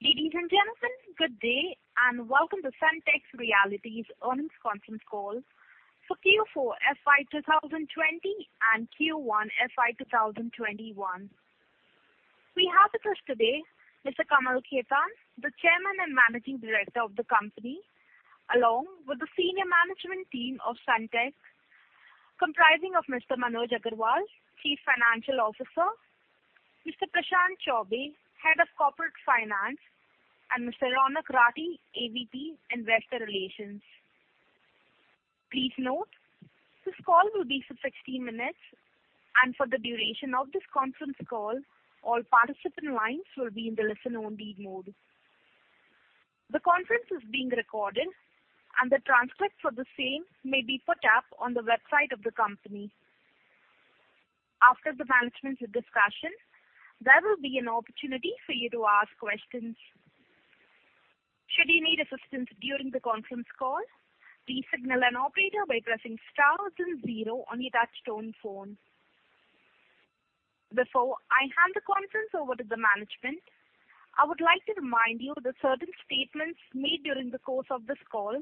Ladies and gentlemen, good day, welcome to Sunteck Realty's Earnings Conference Call for Q4 FY 2020 and Q1 FY 2021. We have with us today Mr. Kamal Khetan, the Chairman and Managing Director of the company, along with the senior management team of Sunteck, comprising of Mr. Manoj Agarwal, Chief Financial Officer, Mr. Prashant Chaubey, Head of Corporate Finance, and Mr. Ronak Rathi, AVP, Investor Relations. Please note, this call will be for 60 minutes, and for the duration of this conference call, all participant lines will be in the listen-only mode. The conference is being recorded, and the transcript for the same may be put up on the website of the company. After the management's discussion, there will be an opportunity for you to ask questions. Should you need assistance during the conference call, please signal an operator by pressing star then zero on your touch-tone phone. Before I hand the conference over to the management, I would like to remind you that certain statements made during the course of this call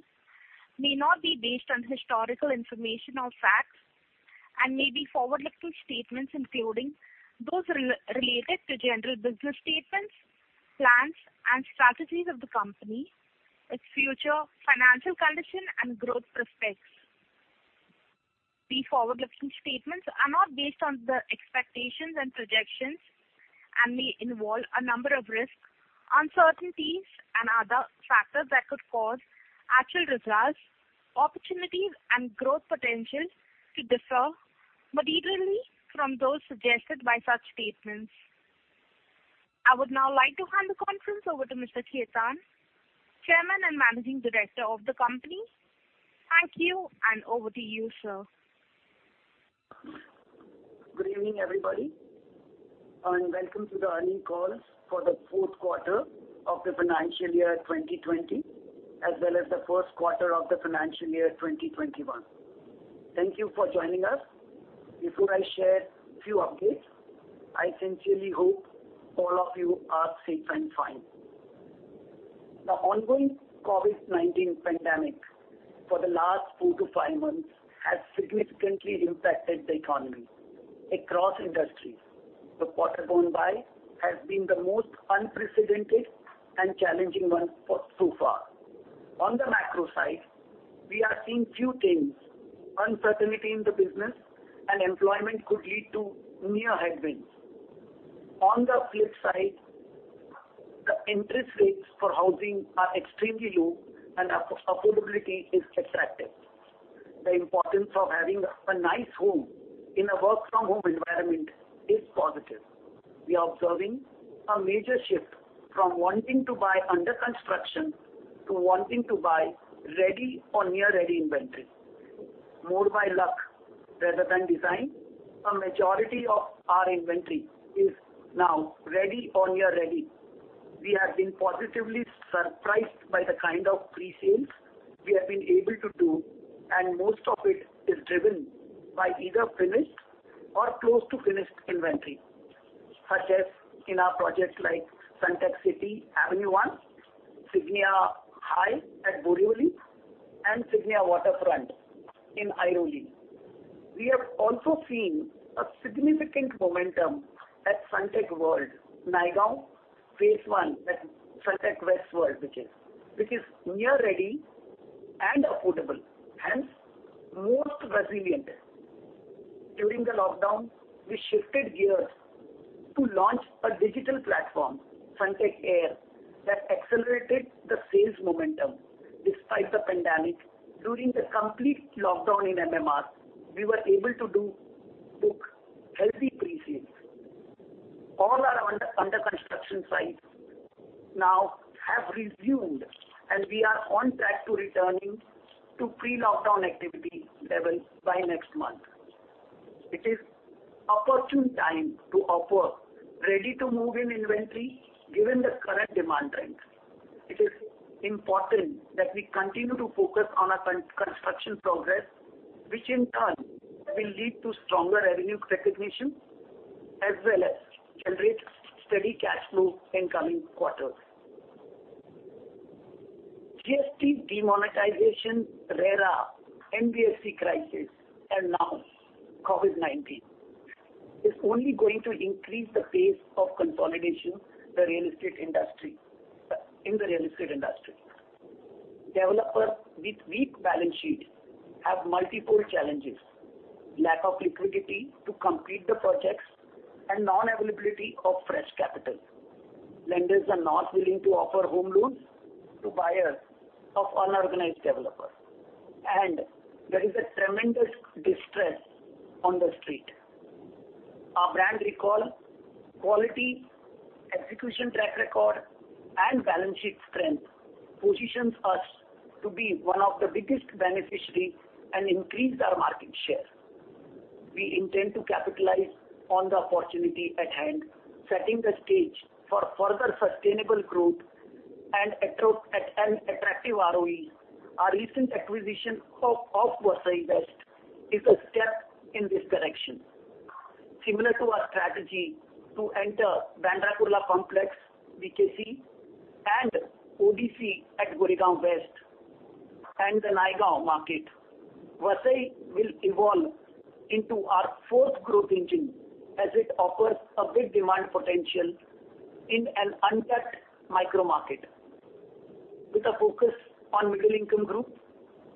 may not be based on historical information or facts and may be forward-looking statements, including those related to general business statements, plans, and strategies of the company, its future financial condition, and growth prospects. These forward-looking statements are now based on the expectations and projections and may involve a number of risks, uncertainties, and other factors that could cause actual results, opportunities, and growth potential to differ materially from those suggested by such statements. I would now like to hand the conference over to Mr. Khetan, Chairman and Managing Director of the company. Thank you, over to you, sir. Good evening, everybody, and welcome to the earnings call for the fourth quarter of the financial year 2020, as well as the first quarter of the financial year 2021. Thank you for joining us. Before I share a few updates, I sincerely hope all of you are safe and fine. The ongoing COVID-19 pandemic for the last 4-5 months has significantly impacted the economy across industries. The quarter gone by has been the most unprecedented and challenging one so far. On the macro side, we are seeing few things. Uncertainty in the business and employment could lead to near headwinds. On the flip side, the interest rates for housing are extremely low, and affordability is attractive. The importance of having a nice home in a work-from-home environment is positive. We are observing a major shift from wanting to buy under-construction to wanting to buy ready or near-ready inventory. More by luck rather than design, a majority of our inventory is now ready or near-ready. We have been positively surprised by the kind of pre-sales we have been able to do, and most of it is driven by either finished or close to finished inventory. Such as in our projects like Sunteck City Avenue 1, Signia High at Borivali, and Signia Waterfront in Airoli. We have also seen a significant momentum at Sunteck World, Naigaon, phase I, that Sunteck WestWorld, which is near ready and affordable, hence most resilient. During the lockdown, we shifted gears to launch a digital platform, Sunteck Air, that accelerated the sales momentum despite the pandemic. During the complete lockdown in MMR, we were able to book healthy pre-sales. All our under-construction sites now have resumed, and we are on track to returning to pre-lockdown activity levels by next month. It is opportune time to offer ready-to-move in inventory given the current demand trends. It is important that we continue to focus on our construction progress, which in turn will lead to stronger revenue recognition as well as generate steady cash flow in coming quarters. GST, demonetization, RERA, NBFC crisis, and now COVID-19 is only going to increase the pace of consolidation in the real estate industry. Developers with weak balance sheets have multiple challenges, lack of liquidity to complete the projects, and non-availability of fresh capital. Lenders are not willing to offer home loans to buyers of unorganized developers, and there is a tremendous distress on the street. Our brand recall, quality, execution track record, and balance sheet strength positions us to be one of the biggest beneficiaries and increase our market share. We intend to capitalize on the opportunity at hand, setting the stage for further sustainable growth and attractive ROE. Our recent acquisition of Vasai West is a step in this direction. Similar to our strategy to enter Bandra Kurla Complex, BKC, and ODC at Goregaon West and the Naigaon market. Vasai will evolve into our fourth growth engine as it offers a big demand potential in an untapped micro market. With a focus on middle income group,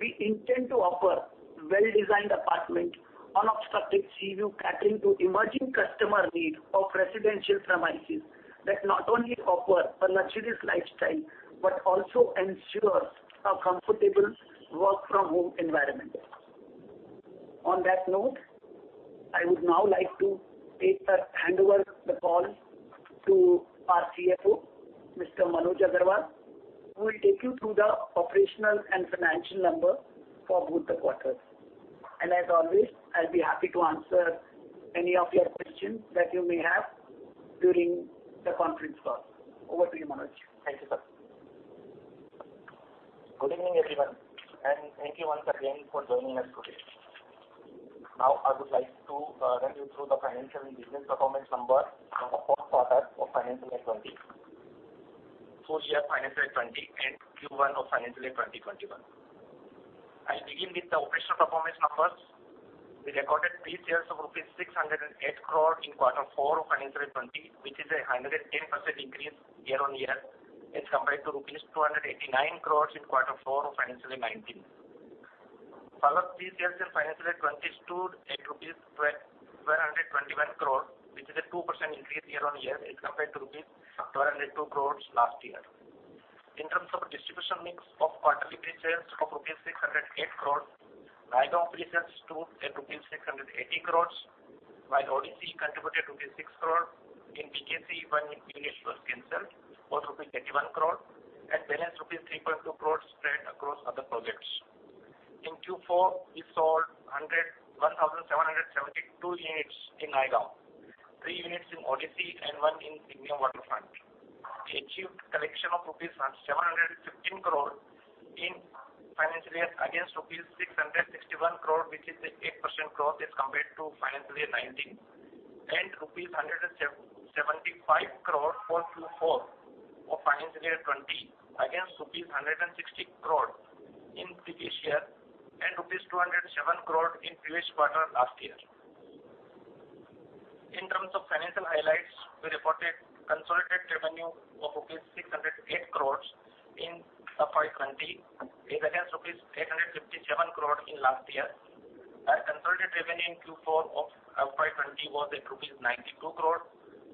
we intend to offer well-designed apartment, unobstructed sea view, catering to emerging customer need of residential premises that not only offer a luxurious lifestyle, but also ensure a comfortable work from home environment. On that note, I would now like to handover the call to our CFO, Mr. Manoj Agarwal, who will take you through the operational and financial numbers for both the quarters. As always, I'll be happy to answer any of your questions that you may have during the conference call. Over to you, Manoj. Thank you, sir. Good evening, everyone, and thank you once again for joining us today. I would like to run you through the financial and business performance number for fourth quarter of financial year 2020, full year financial year 2020, and Q1 of financial year 2020-2021. I'll begin with the operational performance numbers. We recorded pre-sales of INR 608 crore in quarter 4 of financial 2020, which is 110% increase year-on-year as compared to rupees 289 crores in quarter 4 of financial 2019. Our pre-sales in financial 2020 stood at rupees 1,221 crore, which is a 2% increase year-on-year as compared to rupees 102 crores last year. In terms of distribution mix of quarterly pre-sales of rupees 608 crore, Naigaon pre-sales stood at rupees 680 crores, while ODC contributed rupees 6 crore. In BKC, one unit was been sold for rupees 81 crore and balance 3.2 crores rupees spread across other projects. In Q4, we sold 1,772 units in Naigaon, three units in ODC, and one in Signia Waterfront. We achieved collection of rupees 715 crore in financial year against rupees 661 crore, which is 8% growth as compared to FY 2019, and rupees 175 crore for Q4 of FY 2020 against rupees 160 crore in previous year and rupees 207 crore in previous quarter last year. In terms of financial highlights, we reported consolidated revenue of rupees 608 crores in FY 2020 against rupees 857 crore in last year. Our consolidated revenue in Q4 of FY 2020 was at rupees 92 crore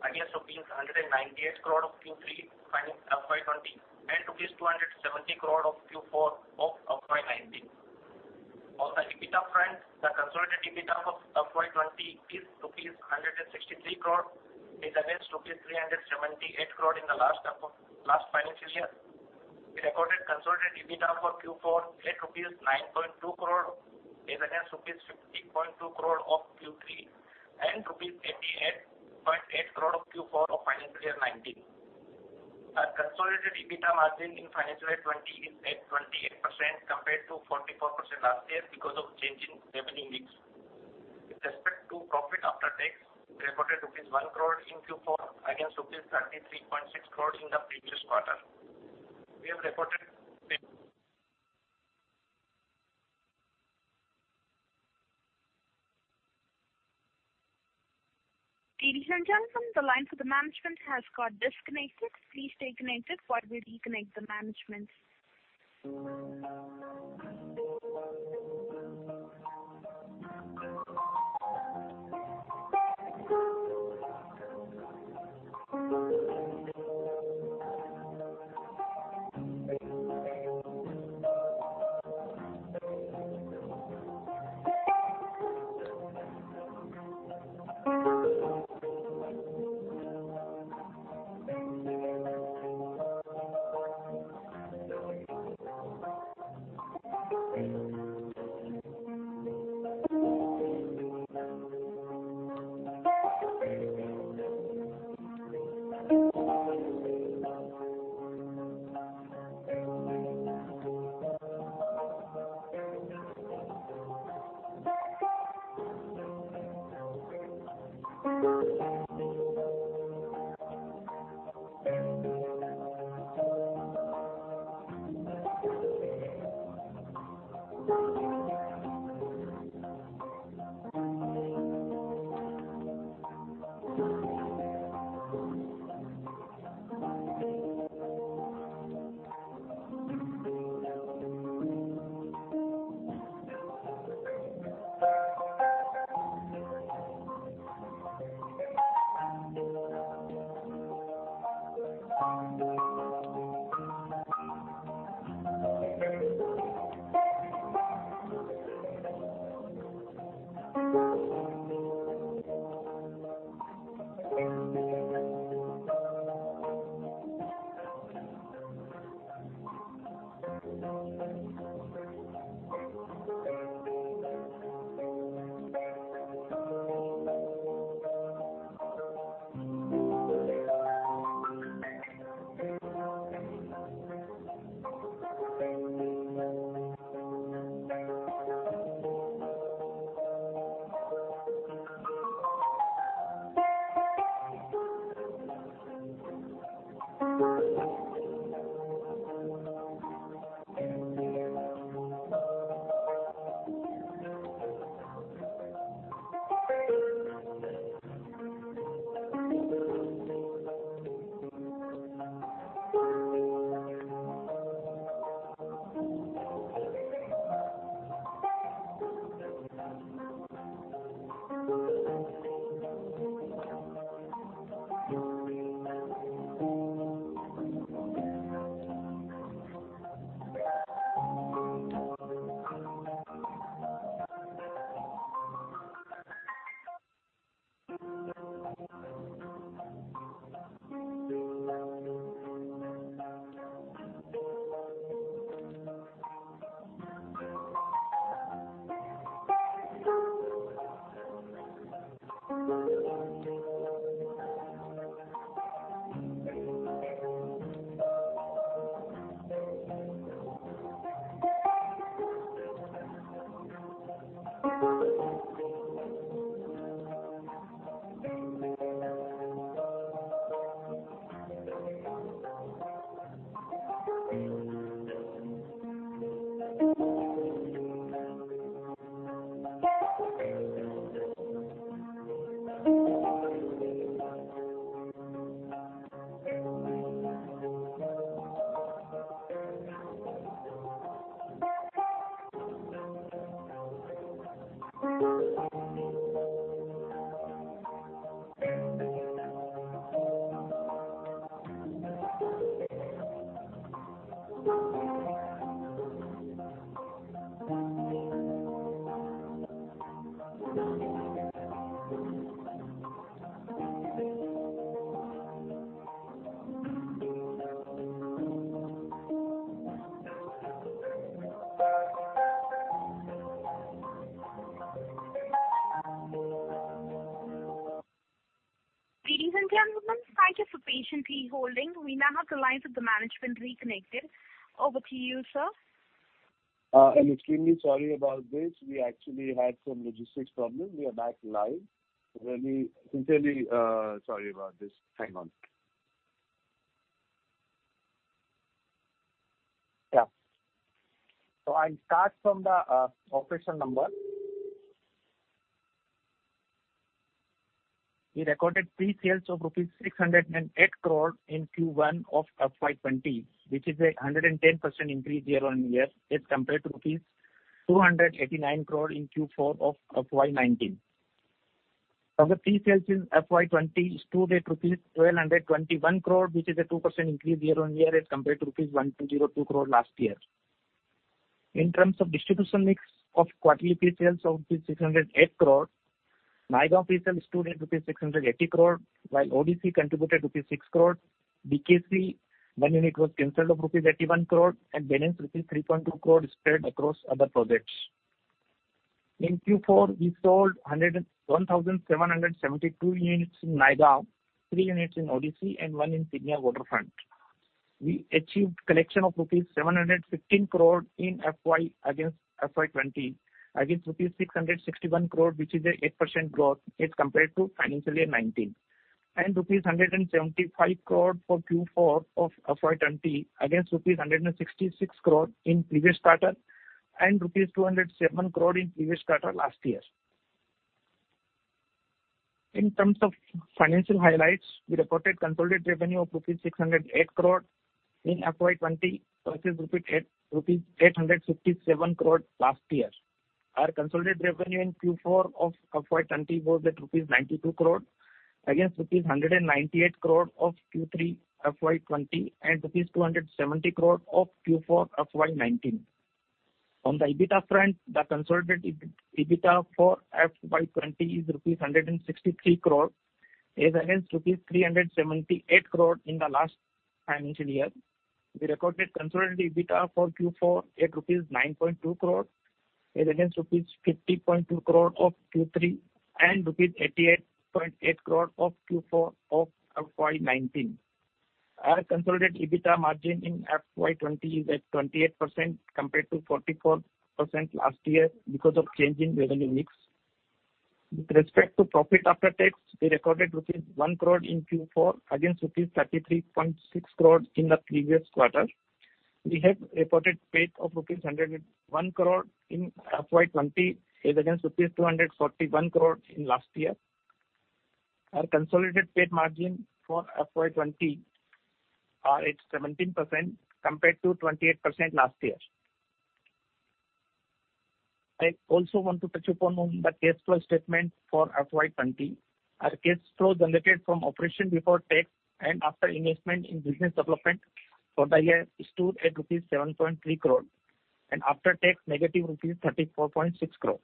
against rupees 198 crore of Q3 FY 2020 and rupees 270 crore of Q4 of FY 2019. On the EBITDA front, the consolidated EBITDA of FY 2020 is rupees 163 crore against rupees 378 crore in the last financial year. We recorded consolidated EBITDA for Q4 at rupees 9.2 crore against rupees [50.2] crore of Q3 and rupees [88.8] crore of Q4 of financial year 2019. Our consolidated EBITDA margin in financial year 2020 is at 28% compared to 44% last year because of change in revenue mix. With respect to profit after tax, we reported rupees 1 crore in Q4 against rupees 33.6 crore in the previous quarter. Ladies and gentlemen, the line for the management has got disconnected. Please stay connected while we reconnect the management. Ladies and gentlemen, thank you for patiently holding. We now have the lines with the management reconnected. Over to you, sir. I'm extremely sorry about this. We actually had some logistics problem. We are back live. Really sincerely sorry about this. Hang on. I'll start from the operation number. We recorded pre-sales of rupees 608 crore in Q1 of FY 2020, which is a 110% increase year-on-year as compared to rupees 289 crore in Q4 of FY 2019. Our pre-sales in FY 2020 stood at rupees 1,221 crore, which is a 2% increase year-on-year as compared to rupees 1,202 crore last year. In terms of distribution mix of quarterly pre-sales of rupees 608 crore, Naigaon pre-sales stood at rupees 680 crore, while ODC contributed rupees 6 crore. BKC, Bandra-Kurla Complex, was rupees 81 crore, balance rupees 3.2 crore spread across other projects. In Q4, we sold 1,772 units in Naigaon, three units in ODC, and one in Signia Waterfront. We achieved collection of rupees 715 crore in FY against FY 2020, against rupees 661 crore, which is a 8% growth as compared to FY 2019, and rupees 175 crore for Q4 of FY 2020 against rupees 166 crore in previous quarter and rupees 207 crore in previous quarter last year. In terms of financial highlights, we reported consolidated revenue of rupees 608 crore in FY 2020 versus 857 crore rupees last year. Our consolidated revenue in Q4 of FY 2020 was at rupees 92 crore against rupees 198 crore of Q3 FY 2020 and rupees 270 crore of Q4 FY 2019. On the EBITDA front, the consolidated EBITDA for FY 2020 is rupees 163 crore as against rupees 378 crore in the last financial year. We recorded consolidated EBITDA for Q4 at rupees 9.2 crore as against rupees 50.2 crore of Q3 and rupees 88.8 crore of Q4 of FY 2019. Our consolidated EBITDA margin in FY 2020 is at 28% compared to 44% last year because of change in revenue mix. With respect to profit after tax, we recorded rupees 1 crore in Q4 against rupees 33.6 crore in the previous quarter. We have reported PAT of rupees 101 crore in FY 2020 as against rupees 241 crore in last year. Our consolidated PAT margin for FY 2020 is 17% compared to 28% last year. I also want to touch upon the cash flow statement for FY 2020. Our cash flow generated from operation before tax and after investment in business development for the year stood at rupees 7.3 crore, and after tax negative rupees 34.6 crore.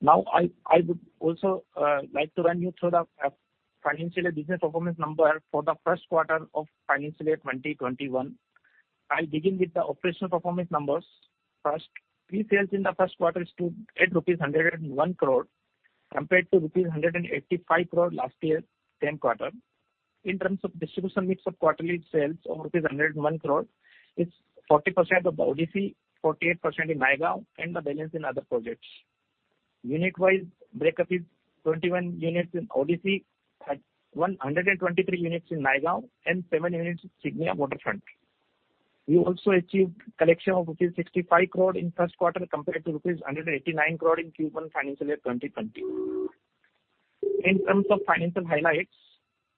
Now, I would also like to run you through the financial and business performance number for the first quarter of financial year 2021. I'll begin with the operational performance numbers first. Pre-sales in the first quarter stood at 101 crore. Compared to rupees 185 crore last year, same quarter. In terms of distribution mix of quarterly sales of rupees 101 crore, it's 40% of ODC, 48% in Naigaon, and the balance in other projects. Unit-wise breakup is 21 units in ODC, at 123 units in Naigaon, and seven units in Signia Waterfront. We also achieved collection of rupees 65 crore in first quarter compared to rupees 189 crore in Q1 financial year 2020. In terms of financial highlights,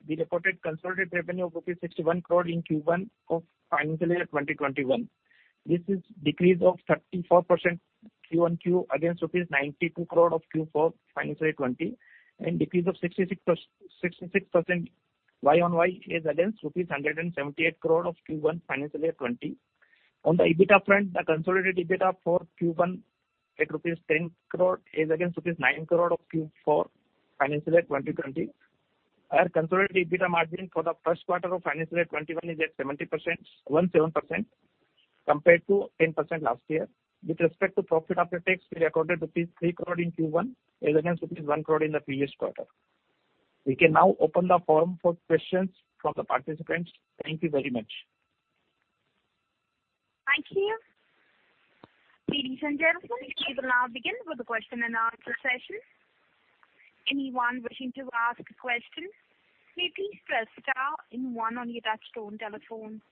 we reported consolidated revenue of 61 crore in Q1 of financial year 2021. This is decrease of 34% quarter-over-quarter against rupees 92 crore of Q4 FY 2020, and decrease of 66% year-over-year is against rupees 178 crore of Q1 FY 2020. On the EBITDA front, the consolidated EBITDA for Q1 at rupees 10 crore is against rupees 9 crore of Q4 financial year 2020. Our consolidated EBITDA margin for the first quarter of FY 2021 is at 17%, compared to 10% last year. With respect to profit after tax, we recorded rupees 3 crore in Q1 against rupees 1 crore in the previous quarter. We can now open the forum for questions from the participants. Thank you very much. Thank you. Ladies and gentlemen, we will now begin with the question and answer session. Anyone wishing to ask a question, may please press star and one on your touch-tone telephone.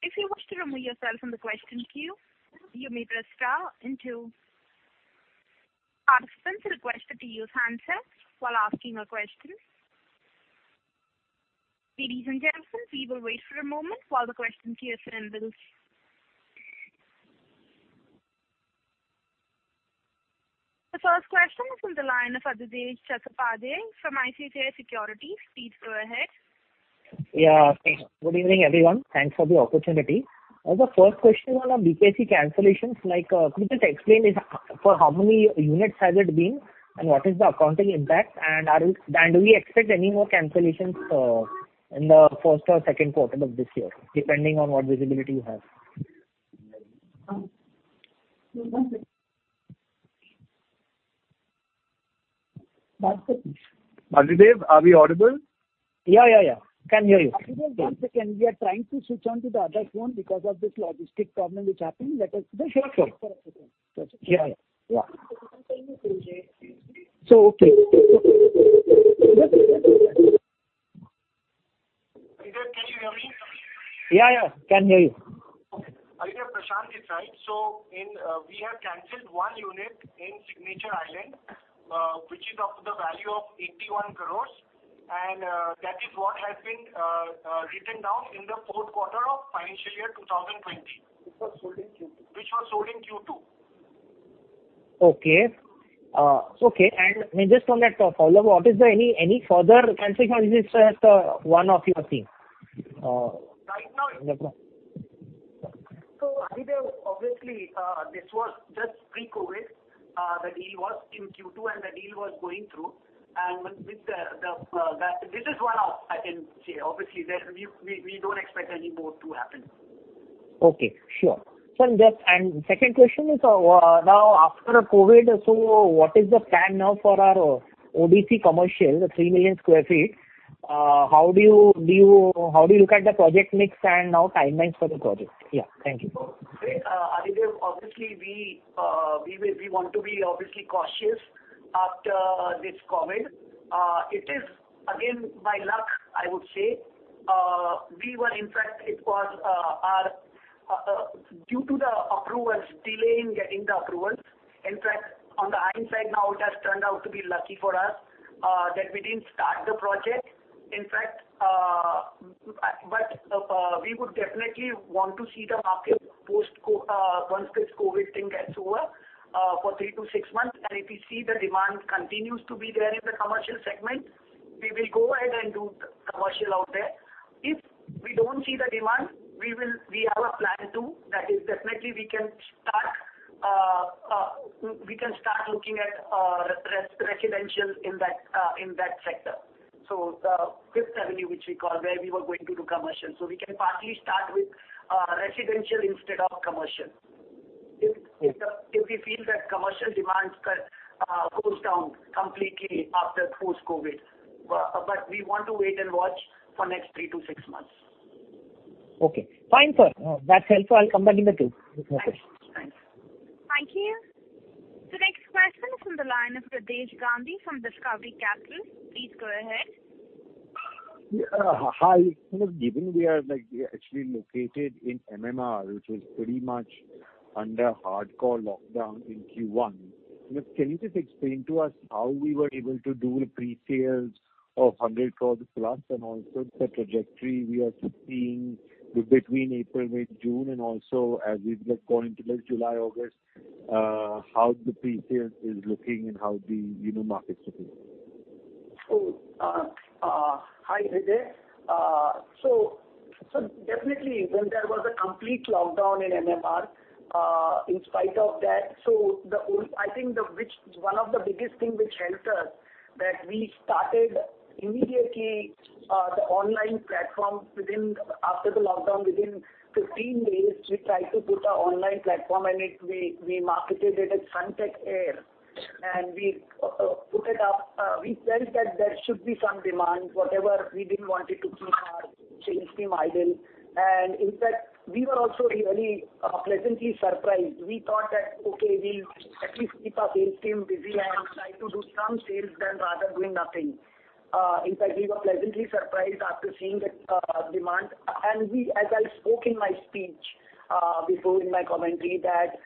If you wish to remove yourself from the question queue, you may press star and two. Participants are requested to use handsets while asking a question. Ladies and gentlemen, we will wait for a moment while the question queue assembles. The first question is on the line of Aditya Chasapadase from ICICI Securities. Please go ahead. Good evening, everyone. Thanks for the opportunity. The first question on the BKC cancellations, could you just explain this, for how many units has it been, and what is the accounting impact? Do we expect any more cancellations in the first or second quarter of this year, depending on what visibility you have? One second. Aditya, are we audible? Yeah. Can hear you. Aditya, one second. We are trying to switch on to the other phone because of this logistic problem which happened. Let us just wait for a second. Sure. Yeah. Yeah. Okay. Aditya, can you hear me? Yeah. Can hear you. Okay. Aditya, Prashant, it is right. We have canceled one unit in Signature Island, which is of the value of 81 crores, and that is what has been written down in the fourth quarter of financial year 2020. Which was sold in Q2. Which was sold in Q2. Okay. Just on that follow-up, what is there any further cancellations? Is this just one off you are seeing? Right now it's one off. Aditya, obviously, this was just pre-COVID. The deal was in Q2, and the deal was going through. This is one off, I can say. Obviously, we don't expect any more to happen. Okay. Sure. Second question is, now after COVID, what is the plan now for our ODC commercial, the 3 million square feet? How do you look at the project mix and now timelines for the project? Yeah. Thank you. Aditya, we want to be obviously cautious after this COVID-19. It is, again, by luck, I would say. Due to the approvals, delay in getting the approvals. In fact, on the hindsight now, it has turned out to be lucky for us that we didn't start the project. We would definitely want to see the market once this COVID-19 thing gets over, for three to six months. If we see the demand continues to be there in the commercial segment, we will go ahead and do commercial out there. If we don't see the demand, we have a plan too. That is definitely we can start looking at residential in that sector. The Avenue 5, which we call, where we were going to do commercial. We can partly start with residential instead of commercial. Okay. If we feel that commercial demand goes down completely after post-COVID. We want to wait and watch for next 3-6 months. Okay. Fine, sir. That's helpful. I'll come back if required with more questions. Thanks. Thank you. The next question is on the line of Hitesh Gandhi from Discovery Capital. Please go ahead. Hi. Given we are actually located in MMR, which was pretty much under hardcore lockdown in Q1, can you just explain to us how we were able to do the pre-sales of 100 crores plus and also the trajectory we are seeing between April, May, June, and also as we go into July, August, how the pre-sales is looking and how the market's looking? Hi, Hitesh. Definitely when there was a complete lockdown in MMR, in spite of that, I think one of the biggest thing which helped us. That we started immediately the online platform after the lockdown within 15 days. We tried to put a online platform, and we marketed it as Sunteck Air, and we put it up. We felt that there should be some demand. We didn't want it to keep our sales team idle. In fact, we were also really pleasantly surprised. We thought that, okay, we'll at least keep our sales team busy and try to do some sales than rather doing nothing. In fact, we were pleasantly surprised after seeing the demand. As I spoke in my speech, before in my commentary, that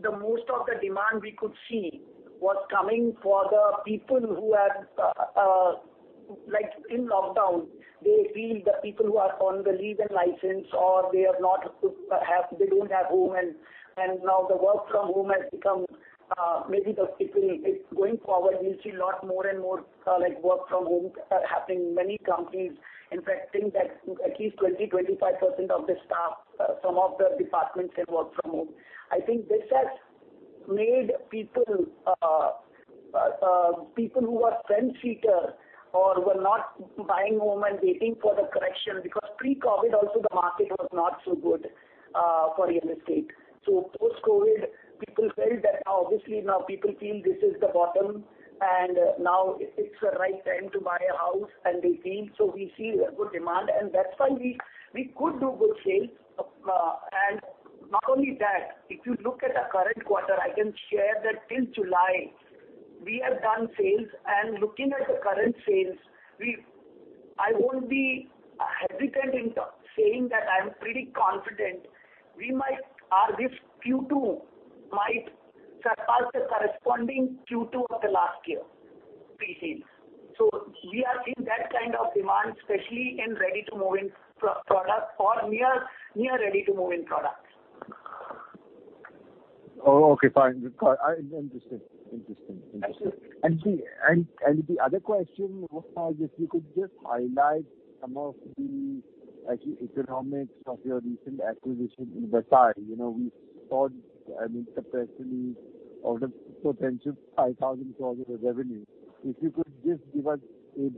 the most of the demand we could see was coming for the people who have like in lockdown, they feel the people who are on the leave and license or they don't have home, now the work from home has become maybe the people going forward, we'll see lot more and more work from home happening, many companies. In fact, I think that at least 20%-25% of the staff, some of the departments can work from home. I think this has made people who were fence-sitter or were not buying home and waiting for the correction, because pre-COVID also the market was not so good for real estate. Post-COVID, people felt that obviously now people feel this is the bottom, now it's the right time to buy a house, and they feel. We see a good demand, and that's why we could do good sales. Not only that, if you look at our current quarter, I can share that till July, we have done sales. Looking at the current sales, I won't be hesitant in saying that I'm pretty confident this Q2 might surpass the corresponding Q2 of the last year pre-sales. We are seeing that kind of demand, especially in ready-to-move-in product or near ready-to-move-in products. Okay, fine. Interesting. Absolutely. The other question was, if you could just highlight some of the actually economics of your recent acquisition in Vasai. We thought, I mean, the press release out of potential 5,000 crores of revenue. If you could just give us a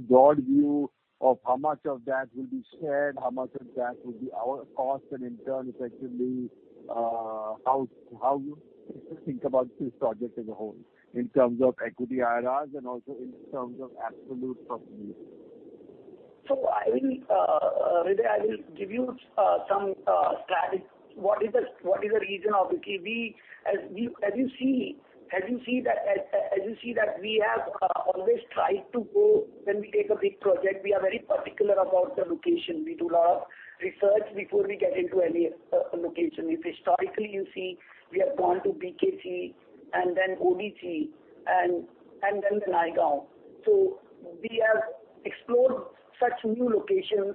broad view of how much of that will be shared, how much of that will be our cost, and in turn, effectively, how you think about this project as a whole in terms of equity IRRs and also in terms of absolute profits. Hitesh, I will give you some strategy. As you see that we have always tried to go when we take a big project, we are very particular about the location. We do lot of research before we get into any location. If historically you see, we have gone to BKC and then ODC and then the Naigaon. We have explored such new locations,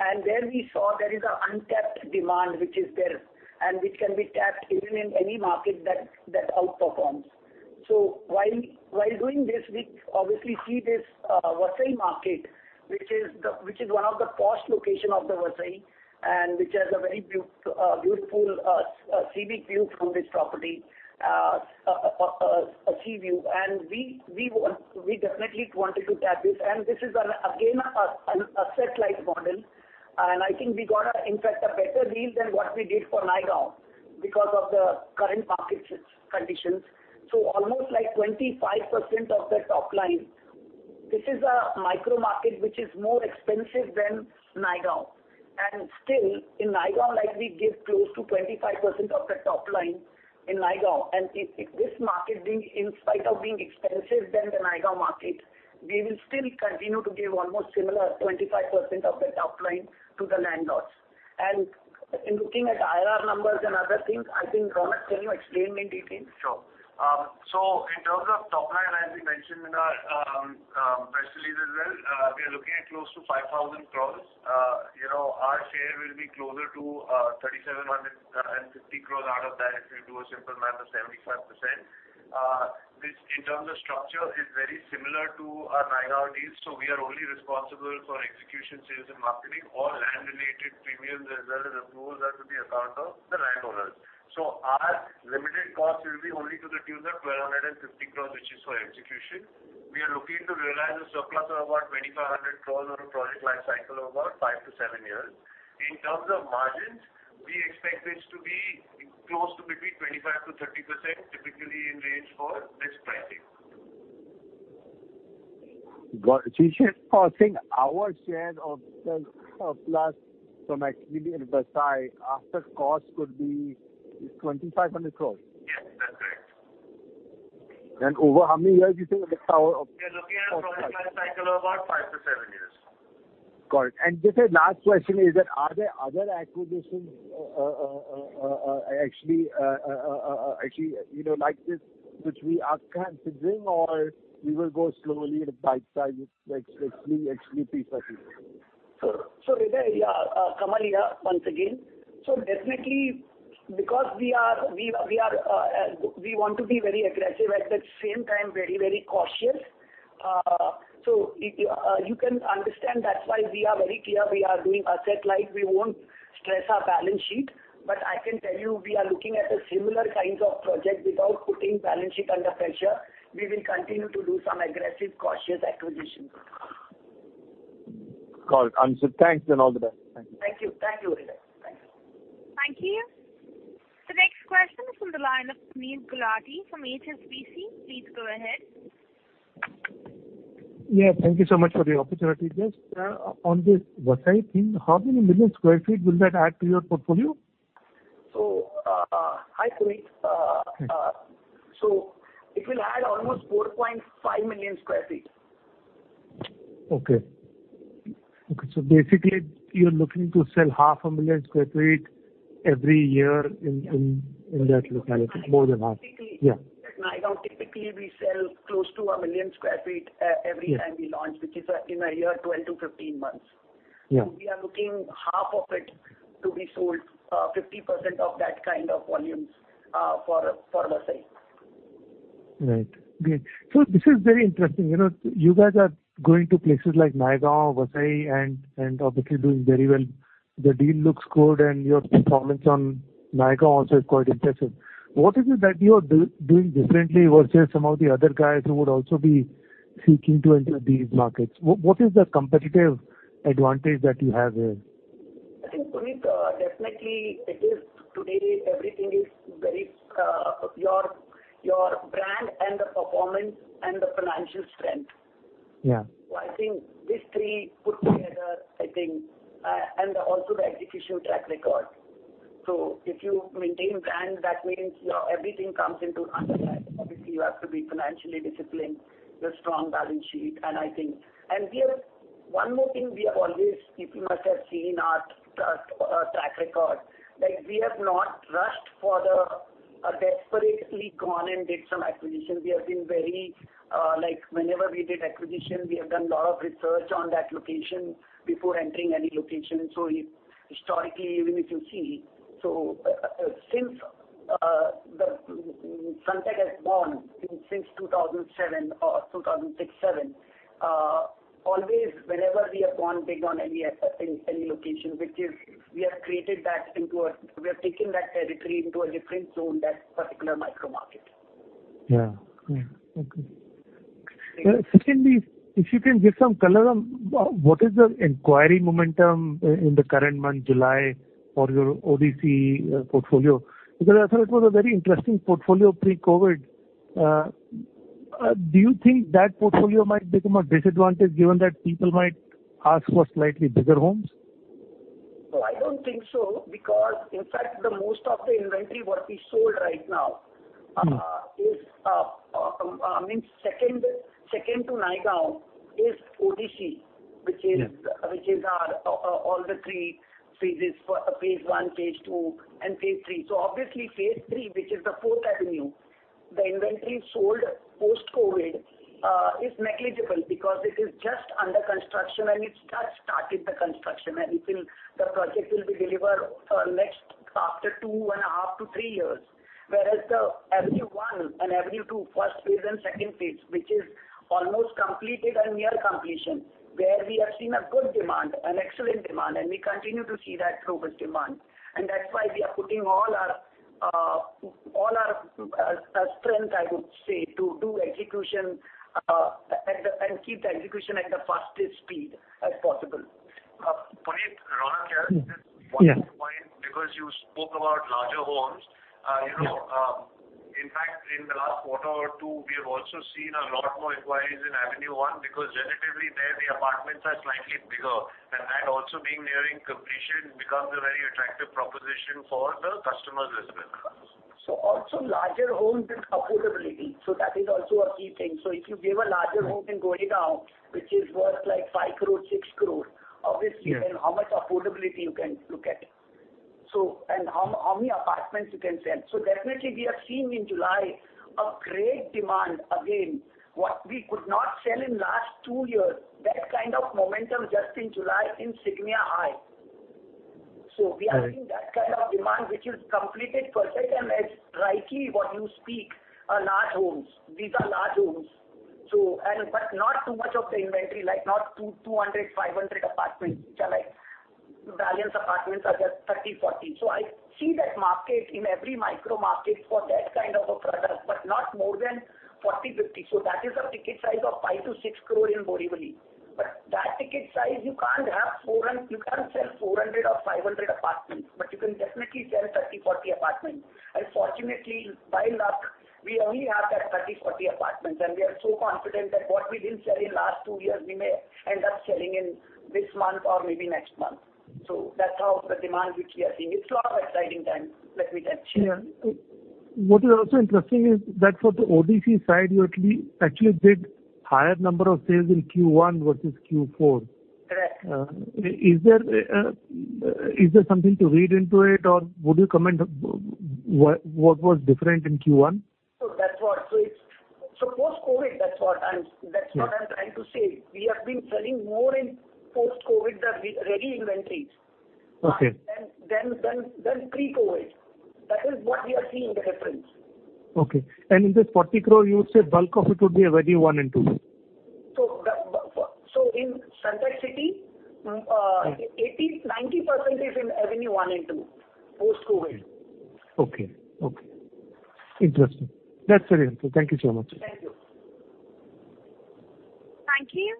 and where we saw there is a untapped demand which is there and which can be tapped even in any market that outperforms. While doing this, we obviously see this Vasai market, which is one of the posh location of the Vasai, and which has a very beautiful scenic view from this property, a sea view, and we definitely wanted to tap this. This is, again, an asset-light model. I think we got, in fact, a better deal than what we did for Naigaon because of the current market conditions. Almost like 25% of that top line. This is a micro market which is more expensive than Naigaon. Still, in Naigaon, like we give close to 25% of that top line in Naigaon. If this market, in spite of being expensive than the Naigaon market, we will still continue to give almost similar 25% of that top line to the landlords. In looking at IRR numbers and other things, I think, Ronak, can you explain in detail? Sure. In terms of top line, as we mentioned in our press release as well, we are looking at close to 5,000 crores. Our share will be closer to 3,750 crores out of that if you do a simple math of 75%. This, in terms of structure, is very similar to our Naigaon deals. We are only responsible for execution, sales, and marketing. All land-related premiums as well as approvals are to the account of the landowners. Our limited cost will be only to the tune of 1,250 crores, which is for execution. We are looking to realize a surplus of about 2,500 crores on a project life cycle of about 5-7 years. In terms of margins, we expect this to be close to between 25%-30%, typically in range for this pricing. I think our share of the surplus from actually in Vasai after cost could be 2,500 crores. Yes, that's right. Over how many years you think We are looking at a project life cycle of about 5-7 years. Got it. Just a last question is that, are there other acquisitions actually like this which we are considering, or we will go slowly at a bite size with actually piece by piece? Hitesh, Kamal here once again. Definitely, because we want to be very aggressive, at the same time, very cautious. You can understand that's why we are very clear we are doing asset light. We won't stress our balance sheet, but I can tell you, we are looking at similar kinds of projects without putting balance sheet under pressure. We will continue to do some aggressive, cautious acquisitions. Got it. Understood. Thanks, and all the best. Thank you, Hitesh. Thank you. The next question is from the line of Puneet Gulati from HSBC. Please go ahead. Yeah, thank you so much for the opportunity. Just on this Vasai thing, how many million square feet will that add to your portfolio? Hi, Puneet. Okay. It will add almost 4.5 million sq ft. Okay. Basically, you're looking to sell half a million sq ft every year in that locality. More than half. Typically- Yeah. At Naigaon, typically, we sell close to a million square feet every time we launch, which is in a year, 12-15 months. Yeah. We are looking half of it to be sold, 50% of that kind of volumes for Vasai. Right. Great. This is very interesting. You guys are going to places like Naigaon, Vasai, and obviously doing very well. The deal looks good, and your performance on Naigaon also is quite impressive. What is it that you are doing differently versus some of the other guys who would also be seeking to enter these markets? What is the competitive advantage that you have here? I think, Puneet, definitely today, everything is your brand and the performance and the financial strength. Yeah. I think these three put together, and also the execution track record. If you maintain brand, that means everything comes into under that. Obviously, you have to be financially disciplined, the strong balance sheet. One more thing, people must have seen our track record. We have not rushed desperately gone and did some acquisition. Whenever we did acquisition, we have done a lot of research on that location before entering any location. Historically, even if you see, since Sunteck has born, since 2006, 2007, always whenever we have gone big on any location, we have taken that territory into a different zone, that particular micro market. Yeah. Okay. If you can give some color on what is the inquiry momentum in the current month, July, for your ODC portfolio. I thought it was a very interesting portfolio pre-COVID. Do you think that portfolio might become a disadvantage given that people might ask for slightly bigger homes? No, I don't think so, because, in fact, the most of the inventory what we sold right now, second to Naigaon is ODC, which is all the three phases, phase I, phase II, and phase III. Obviously, phase III, which is the 4th Avenue, the inventory sold post-COVID-19 is negligible because it is just under construction, and it's just started the construction, and the project will be delivered next after two and a half to three years. Whereas the Avenue 1 and Avenue 2, first phase and second phase, which is almost completed and near completion, there we have seen a good demand, an excellent demand, and we continue to see that robust demand. That's why we are putting all our strength, I would say, to do execution, and keep the execution at the fastest speed as possible. Puneet, Ronak here. Yeah. Just one point, because you spoke about larger homes. Yeah. In fact, in the last quarter or two, we have also seen a lot more inquiries in Avenue 1, because relatively there the apartments are slightly bigger. That also being nearing completion becomes a very attractive proposition for the customers as well. Also larger homes and affordability. That is also a key thing. If you give a larger home in Borivali, which is worth like 5 crore, 6 crore, obviously. Yeah. How much affordability you can look at, and how many apartments you can sell. Definitely we are seeing in July a great demand again. What we could not sell in last two years, that kind of momentum just in July in Signia High. We are seeing that kind of demand which is completed per se, and as rightly what you speak, large homes. These are large homes. Not too much of the inventory, like not 200, 500 apartments. Valiance apartments are just 30, 40. I see that market in every micro market for that kind of a product, but not more than 40, 50. That is a ticket size of 5 crore-6 crore in Borivali. That ticket size, you can't sell 400 or 500 apartments, but you can definitely sell 30, 40 apartments. Fortunately, by luck, we only have that 30, 40 apartments, and we are so confident that what we didn't sell in last two years, we may end up selling in this month or maybe next month. That's how the demand which we are seeing. It's lot of exciting times that we can share. Yeah. What is also interesting is that for the ODC side, you actually did higher number of sales in Q1 versus Q4. Correct. Is there something to read into it, or would you comment what was different in Q1? Post-COVID, that's what I'm trying to say. We have been selling more in post-COVID, the ready inventories- Okay -than pre-COVID. That is what we are seeing the difference. Okay. In this 40 crore, you would say bulk of it would be Avenue 1 and Avenue 2? In Sunteck City, 90% is in Avenue 1 and Avenue 2 post-COVID. Okay. Interesting. That's very helpful. Thank you so much. Thank you. Thank you.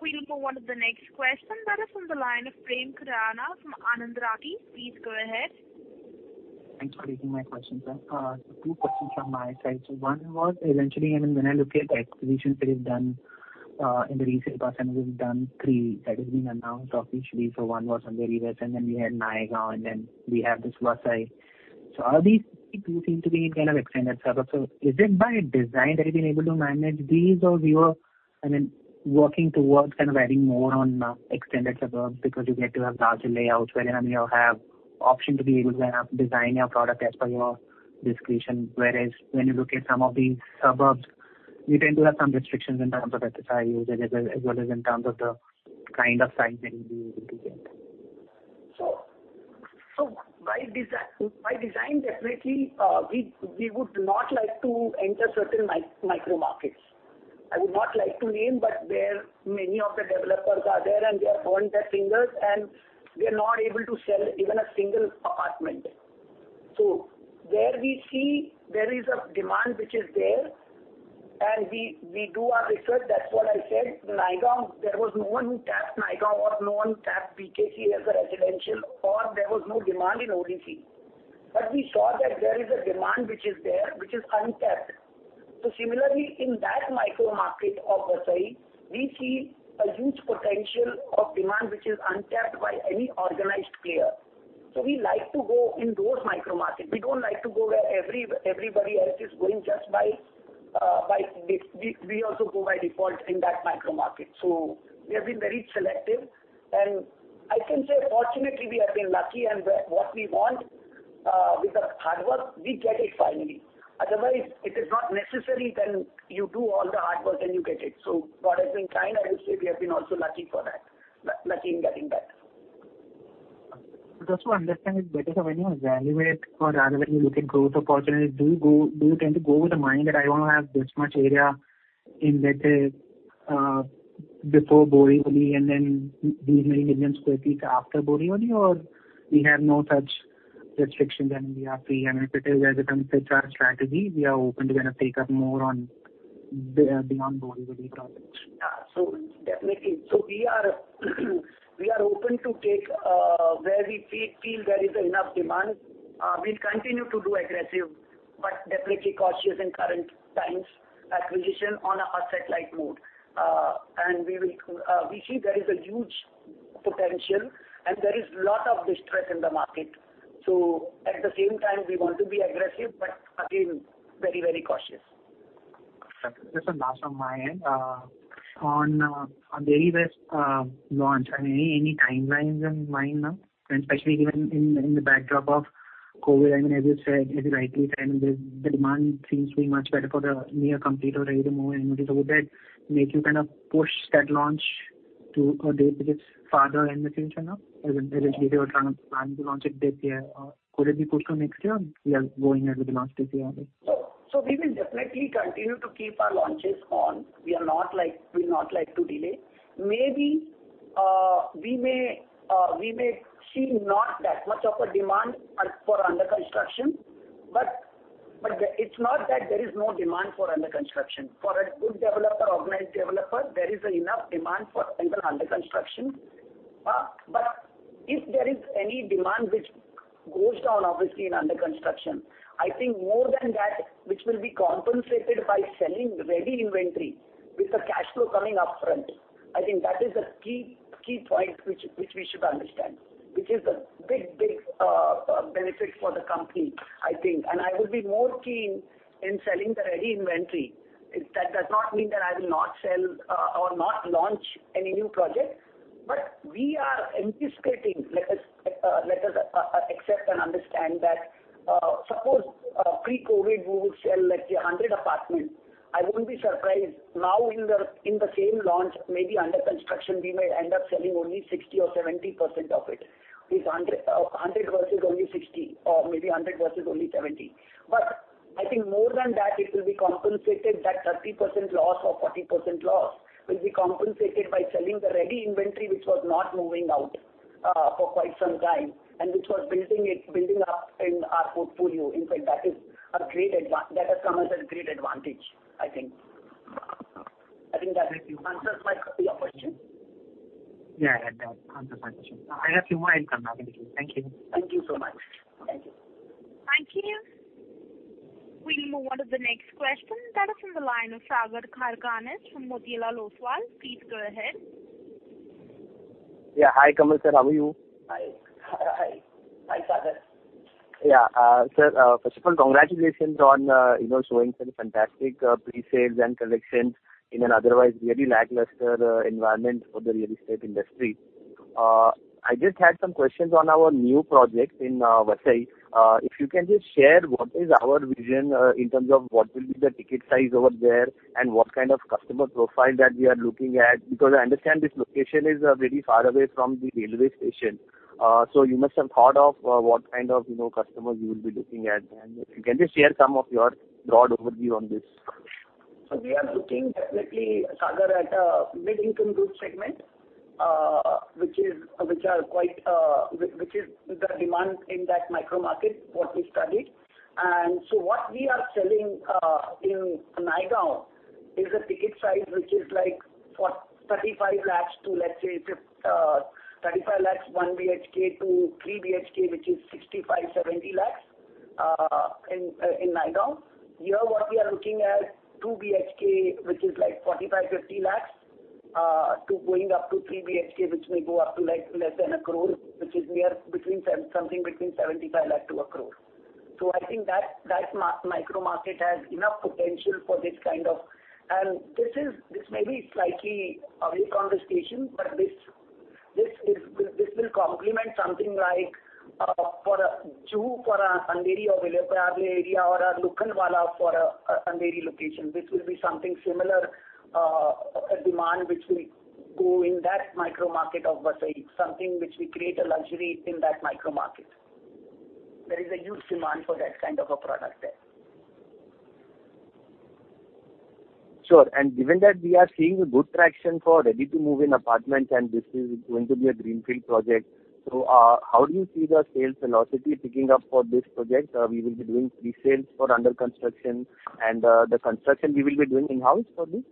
We'll go on to the next question that is from the line of Prem Khurana from Anand Rathi. Please go ahead. Thanks for taking my question, sir. Two questions from my side. One was, eventually, when I look at the acquisitions that is done in the resale part and we've done three that has been announced officially. One was Andheri West, and then we had Naigaon, and then we have this Vasai. All these three do seem to be in kind of extended suburbs. Is it by design that you've been able to manage these or you are working towards kind of adding more on extended suburbs because you get to have larger layouts wherein you have option to be able to design your product as per your discretion. Whereas when you look at some of these suburbs, you tend to have some restrictions in terms of FSI usage as well as in terms of the kind of size that you'll be able to get. By design, definitely, we would not like to enter certain micro markets. I would not like to name, but there many of the developers are there, and they are on their fingers, and they're not able to sell even a single apartment. There we see there is a demand which is there, and we do our research. That's what I said. Naigaon, there was no one who tapped Naigaon or no one tapped BKC as a residential, or there was no demand in ODC. We saw that there is a demand which is there, which is untapped. Similarly, in that micro market of Vasai, we see a huge potential of demand which is untapped by any organized player. We like to go in those micro markets. We don't like to go where everybody else is going, we also go by default in that micro market. We have been very selective, and I can say fortunately, we have been lucky and where what we want, with the hard work, we get it finally. Otherwise, it is not necessary then you do all the hard work, then you get it. God has been kind, and I would say we have been also lucky in getting that. Just to understand it better, sir, when you evaluate or rather when you look at growth opportunities, do you tend to go with the mind that I want to have this much area in let's say before Borivali and then these many million square feet after Borivali? We have no such restriction then we are free and if it is as it comes with our strategy, we are open to take up more on beyond Borivali projects. Yeah. Definitely. We are open to take where we feel there is enough demand. We'll continue to do aggressive but definitely cautious in current times, acquisition on a asset-light mode. We see there is a huge potential and there is lot of distress in the market. At the same time, we want to be aggressive, but again, very cautious. Just a last from my end. On Andheri West launch, any timelines in mind now? Especially given in the backdrop of COVID, as you rightly said, the demand seems to be much better for the near complete or ready to move inventory. Would that make you kind of push that launch to a date which is farther in the future now? As in, if you were trying to plan to launch it this year, could it be pushed to next year or we are going ahead with the launch this year only? We will definitely continue to keep our launches on. We'll not like to delay. Maybe, we may see not that much of a demand for under construction, but it's not that there is no demand for under construction. For a good developer, organized developer, there is enough demand for even under construction. If there is any demand which goes down, obviously in under construction, I think more than that, which will be compensated by selling ready inventory with the cash flow coming upfront. I think that is the key point which we should understand, which is the big benefit for the company, I think. I will be more keen in selling the ready inventory. That does not mean that I will not sell or not launch any new project, but we are anticipating. Let us accept and understand that, suppose pre-COVID, we would sell, let's say 100 apartments. I wouldn't be surprised now in the same launch, maybe under construction, we may end up selling only 60% or 70% of it. It's 100 versus only 60%, or maybe 100 versus only 70%. I think more than that, it will be compensated that 30% loss or 40% loss will be compensated by selling the ready inventory which was not moving out for quite some time, and which was building up in our portfolio. In fact, that has come as a great advantage, I think. I think that answers your question. Yeah, that answers my question. I have few more in. [inaudible] Thank you. Thank you so much. Thank you. Thank you. We'll move on to the next question that is from the line of Sagar Karkhanis from Motilal Oswal. Please go ahead. Yeah. Hi, Kamal sir. How are you? Hi. Hi, Sagar. Yeah. Sir, first of all, congratulations on showing some fantastic pre-sales and collections in an otherwise really lackluster environment for the real estate industry. I just had some questions on our new project in Vasai. If you can just share what is our vision, in terms of what will be the ticket size over there and what kind of customer profile that we are looking at. I understand this location is very far away from the railway station. You must have thought of what kind of customers you will be looking at, and can you share some of your broad overview on this? We are looking definitely, Sagar, at a mid-income group segment, which is the demand in that micro-market, what we studied. What we are selling in Naigaon is a ticket size which is 35 lakhs, one BHK to three BHK, which is 65-70 lakhs in Naigaon. Here, what we are looking at two BHK, which is 45-50 lakhs, going up to three BHK, which may go up to less than 1 crore, which is something between 75 lakh to 1 crore. I think that micro-market has enough potential for this. This may be slightly early conversation, but this will complement something like for a Andheri or Vile Parle area, or a Lokhandwala for a Andheri location. This will be something similar, a demand which will go in that micro-market of Vasai, something which we create a luxury in that micro-market. There is a huge demand for that kind of a product there. Sure. Given that we are seeing a good traction for ready-to-move-in apartments, and this is going to be a greenfield project, how do you see the sales velocity picking up for this project? We will be doing pre-sales for under construction, the construction we will be doing in-house for this?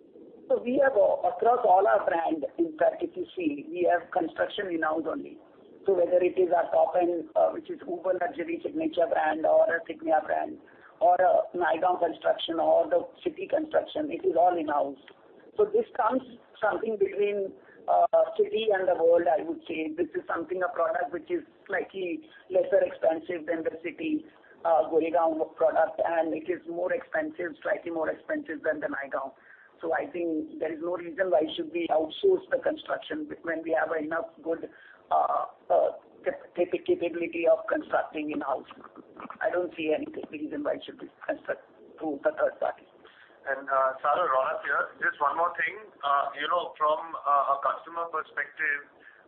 We have across all our brand, in fact, if you see, we have construction in-house only. Whether it is our top-end, which is uber-luxury signature brand or a Signia brand or a Naigaon construction or the City construction, it is all in-house. This comes something between City and the World, I would say. This is something, a product which is slightly lesser expensive than the City, Goregaon product, and it is more expensive, slightly more expensive than the Naigaon. I think there is no reason why should we outsource the construction when we have enough good capability of constructing in-house. I don't see any reason why it should be construct through the third party. Sagar, Ronak here. Just one more thing. From a customer perspective,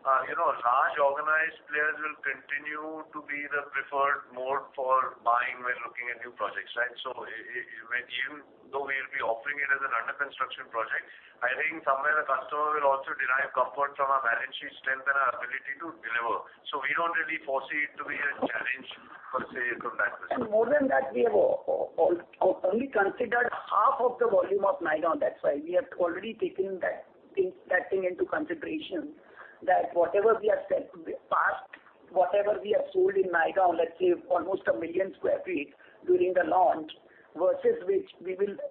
large organized players will continue to be the preferred mode for buying when looking at new projects, right? Even though we'll be offering it as an under-construction project, I think somewhere the customer will also derive comfort from our balance sheet strength and our ability to deliver. We don't really foresee it to be a challenge, per se, from that perspective. More than that, we have only considered half of the volume of Naigaon, that's why. We have already taken that thing into consideration, that whatever we have sold in the past, whatever we have sold in Naigaon, let's say almost a million square feet during the launch, versus which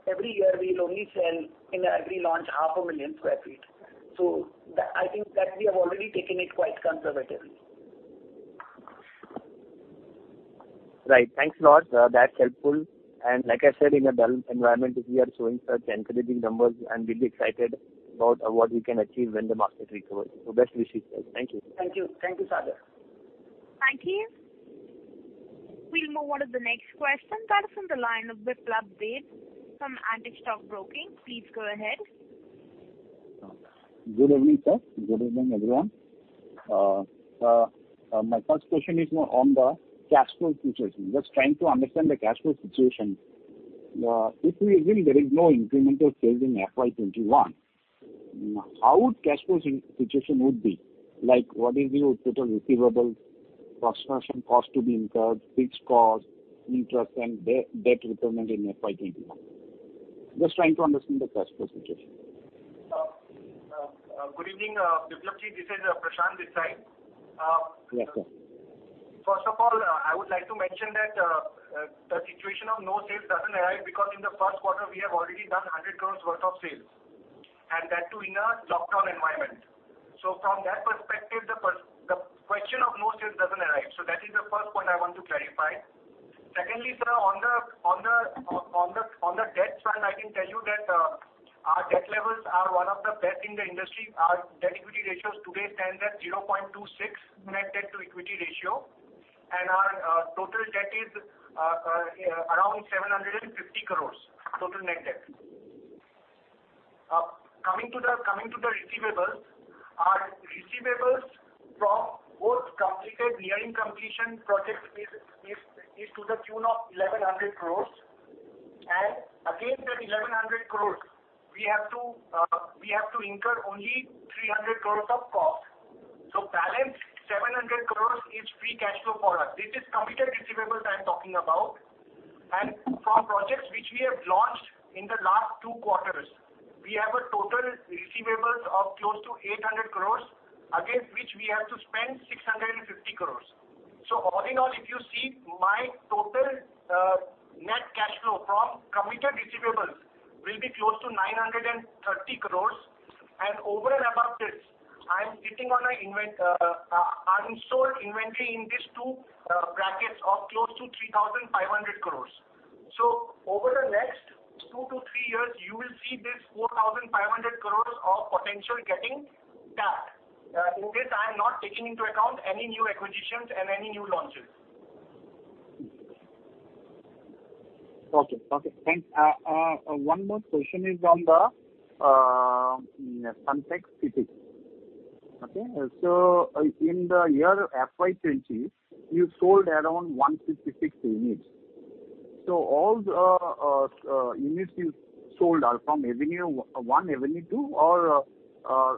every year we will only sell in every launch half a million square feet. I think that we have already taken it quite conservatively. Right. Thanks a lot. That's helpful. Like I said, in a dull environment, if we are showing such encouraging numbers, I'm really excited about what we can achieve when the market recovers. Best wishes, sir. Thank you. Thank you, Sagar. Thank you. We'll move on to the next question. That is on the line of Biplab Debbarma from Antique Stock Broking. Please go ahead. Good evening, sir. Good evening, everyone. My first question is on the cash flow situation. Just trying to understand the cash flow situation. If we agree there is no incremental sales in FY 2021, how would cash flow situation would be? What is your total receivables, construction cost to be incurred, fixed cost, interest, and debt repayment in FY 2021? Just trying to understand the cash flow situation. Good evening, Biplab. This is Prashant Desai. Yes, sir. First of all, I would like to mention that the situation of no sales doesn't arise because in the first quarter, we have already done 100 crores worth of sales, and that too in a lockdown environment. From that perspective, the question of no sales doesn't arise. That is the first point I want to clarify. Secondly, sir, on the debt front, I can tell you that our debt levels are one of the best in the industry. Our debt-equity ratios today stand at 0.26 net debt to equity ratio, and our total debt is around 750 crores, total net debt. Coming to the receivables. Our receivables from both completed, nearing completion projects is to the tune of 1,100 crores. Against that 1,100 crores, we have to incur only 300 crores of cost. Balance 700 crores is free cash flow for us. It is completed receivables I'm talking about. From projects which we have launched in the last two quarters, we have a total receivables of close to 800 crores, against which we have to spend 650 crores. All in all, if you see, my total net cash flow from committed receivables will be close to 930 crores, and over and above this, I'm sitting on unsold inventory in these two brackets of close to 3,500 crores. Over the next 2-3 years, you will see this 4,500 crores of potential getting tapped. In this, I am not taking into account any new acquisitions and any new launches. Okay, thanks. One more question is on the Sunteck City. Okay. In the year FY 2020, you sold around 156 units. All the units you sold are from Avenue 1, Avenue 2, or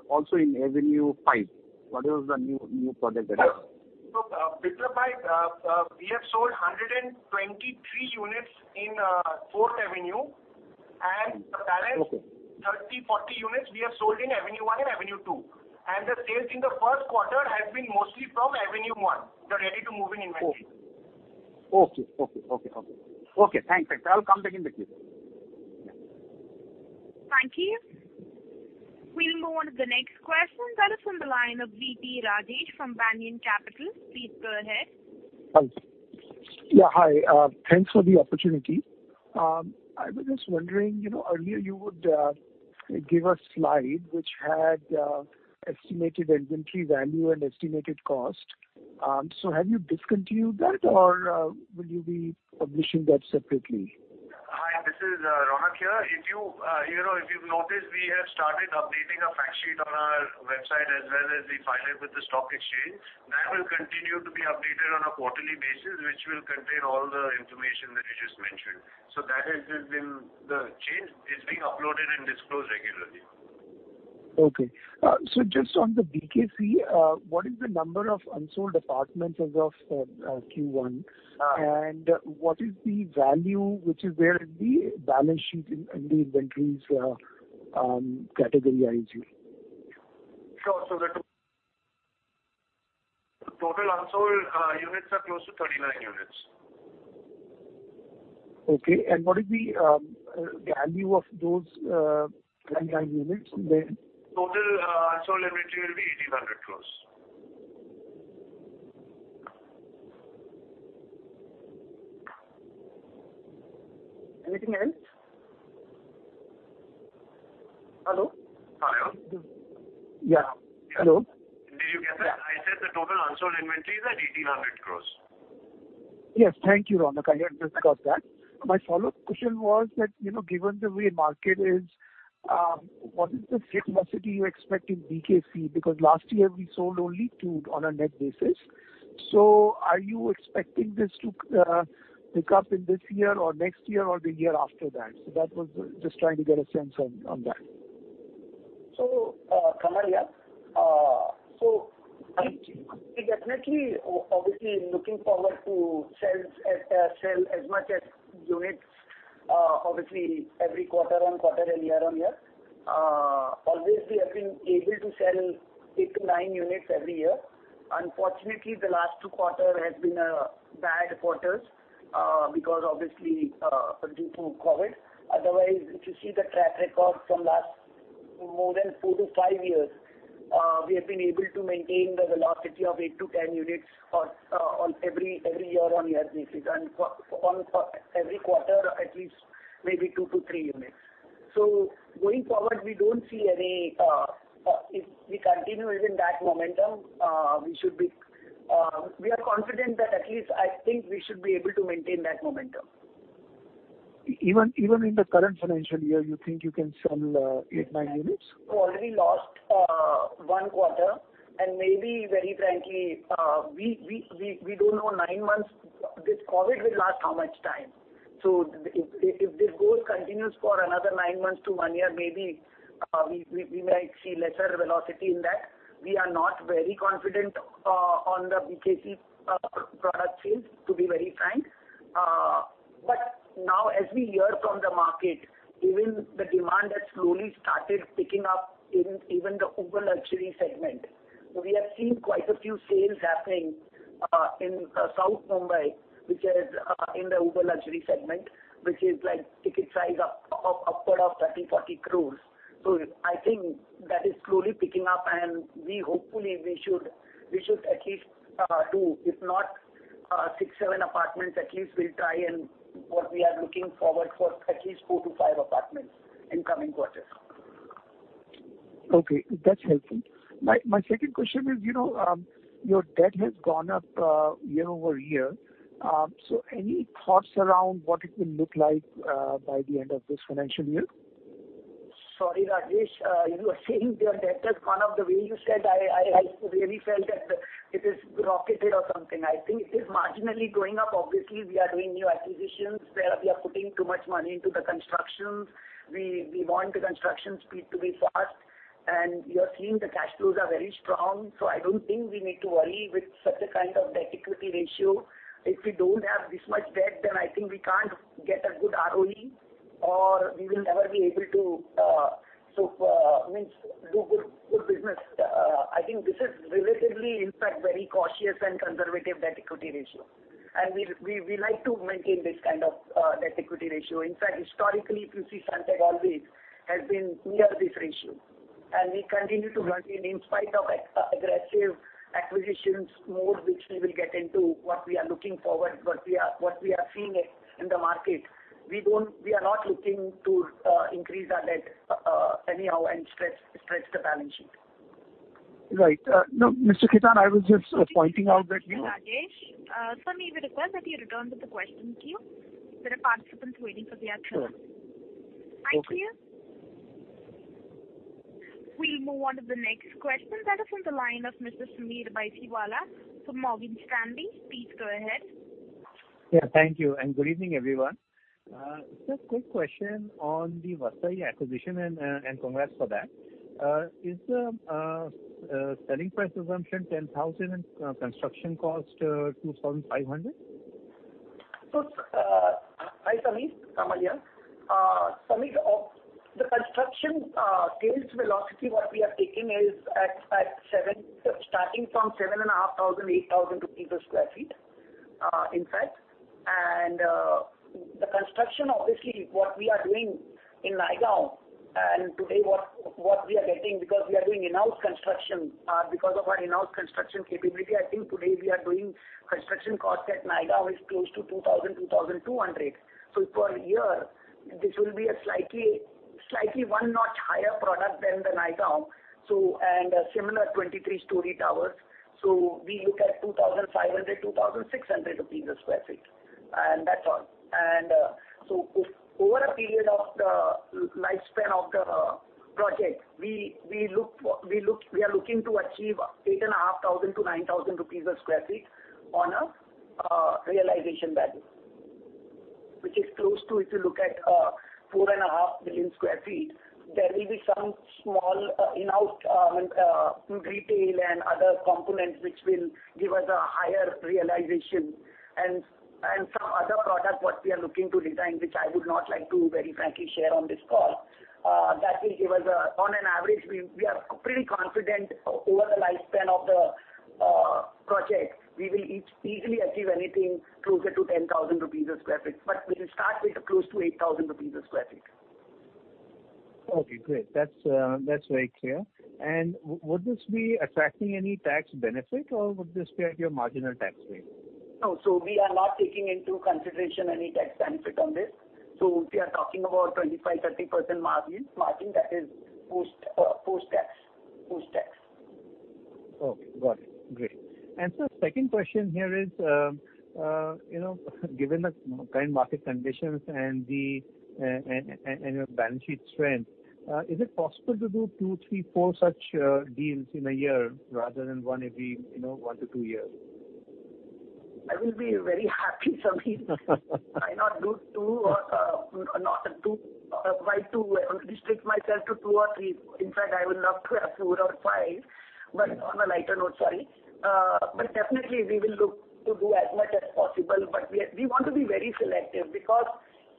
also in Avenue 5? What is the new product [inaudible] Biplab, we have sold 123 units in Avenue 4. Okay 30, 40 units we have sold in Avenue 1 and Avenue 2. The sales in the first quarter has been mostly from Avenue 1, the ready-to-move-in inventory. Okay. Okay. Thanks. I'll come back in the queue. Thank you. We'll move on to the next question that is on the line of V.P. Rajesh from Banyan Capital. Please go ahead. Yeah, hi. Thanks for the opportunity. I was just wondering, earlier you would give a slide which had estimated inventory value and estimated cost. Have you discontinued that or will you be publishing that separately? Hi, this is Ronak here. If you've noticed, we have started updating a fact sheet on our website as well as we file it with the stock exchange. That will continue to be updated on a quarterly basis, which will contain all the information that you just mentioned. The change is being uploaded and disclosed regularly. Okay. Just on the BKC, what is the number of unsold apartments as of Q1? What is the value which is there in the balance sheet in the inventories category, IG? Sure. The total unsold units are close to 39 units. Okay. What is the value of those 39 units then? Total unsold inventory will be INR 1,800 crores. Anything else? Hello? Hello. Yeah. Hello. Did you get that? Yeah. I said the total unsold inventories are 1,800 crores. Yes. Thank you, Ronak. I just got that. My follow-up question was that, given the way market is, what is the velocity you expect in BKC? Last year we sold only two on a net basis. Are you expecting this to pick up in this year or next year or the year after that? Just trying to get a sense on that. Kamal here. So we're definitely obviously looking forward to sell as much as units, obviously every quarter-on-quarter and year-on-year. Always we have been able to sell 8-9 units every year. Unfortunately, the last two quarter has been bad quarters because obviously due to COVID-19. Otherwise, if you see the track record from last more than 4-5 years, we have been able to maintain the velocity of 8-10 units on every year-on-year basis. And every quarter, at least maybe 2-3 units. Going forward, if we continue even that momentum, we are confident that at least I think we should be able to maintain that momentum. Even in the current financial year, you think you can sell eight, nine units? We've already lost one quarter and maybe very frankly, we don't know this COVID-19 will last how much time. If this goes continues for another nine months to one year, maybe, we might see lesser velocity in that. We are not very confident on the BKC product sales, to be very frank. Now as we hear from the market, even the demand has slowly started picking up in even the uber-luxury segment. We have seen quite a few sales happening in South Mumbai, which is in the uber-luxury segment, which is like ticket size upward of 30, 40 crores. I think that is slowly picking up and hopefully we should at least do, if not six, seven apartments, at least we'll try and what we are looking forward for at least 4-5 apartments in coming quarters. Okay. That's helpful. My second question is, your debt has gone up year-over-year. Any thoughts around what it will look like by the end of this financial year? Sorry, Rajesh. You were saying your debt has gone up. The way you said, I really felt that it has rocketed or something. I think it is marginally going up. Obviously, we are doing new acquisitions where we are putting too much money into the constructions. We want the construction speed to be fast. You are seeing the cash flows are very strong, so I don't think we need to worry with such a kind of debt equity ratio. If we don't have this much debt, then I think we can't get a good ROE or we will never be able to do good business. I think this is relatively, in fact, very cautious and conservative debt equity ratio. We like to maintain this kind of debt equity ratio. In fact, historically, if you see, Sunteck always has been near this ratio. We continue to maintain, in spite of aggressive acquisitions mode, which we will get into what we are looking forward, what we are seeing in the market. We are not looking to increase our debt anyhow and stretch the balance sheet. Right. No, Mr. Khetan, I was just pointing out that. Rajesh, sir, we would request that you return to the question queue. There are participants waiting for their turn. Sure. Thank you. We'll move on to the next question that is on the line of Mr. Sameer Baisiwala from Morgan Stanley. Please go ahead. Yeah, thank you and good evening, everyone. Sir, quick question on the Vasai acquisition, and congrats for that. Is the selling price assumption 10,000 and construction cost 2,500? Hi Sameer. Kamal here. Sameer, the construction sales velocity what we have taken is starting from 7,500, 8,000 rupees a square feet, in fact. The construction, obviously, what we are doing in Naigaon and today what we are getting, because we are doing in-house construction. Because of our in-house construction capability, I think today we are doing construction cost at Naigaon is close to 2,000, 2,200. Per year, this will be a slightly one notch higher product than the Naigaon, and a similar 23-story towers. We look at 2,500, 2,600 rupees a square feet, and that's all. Over a period of the lifespan of the project, we are looking to achieve 8,500-9,000 rupees a sq ft on a realization value, which is close to, if you look at 4.5 million sq ft, there will be some small in-house retail and other components, which will give us a higher realization. Some other product what we are looking to design, which I would not like to very frankly share on this call. On an average, we are pretty confident over the lifespan of the project, we will easily achieve anything closer to 10,000 rupees a sq ft. We will start with close to 8,000 rupees a sq ft. Okay, great. That's very clear. Would this be attracting any tax benefit, or would this be at your marginal tax rate? No. We are not taking into consideration any tax benefit on this. If we are talking about 25%, 30% margin, that is post-tax. Okay, got it. Great. Sir, second question here is, given the current market conditions and your balance sheet strength, is it possible to do two, three, four such deals in a year rather than one every 1-2 years? I will be very happy, Sameer. Why not do two or not two. Why two? I want to restrict myself to two or three. In fact, I would love to have four or five, but on a lighter note, sorry. Definitely we will look to do as much as possible. We want to be very selective because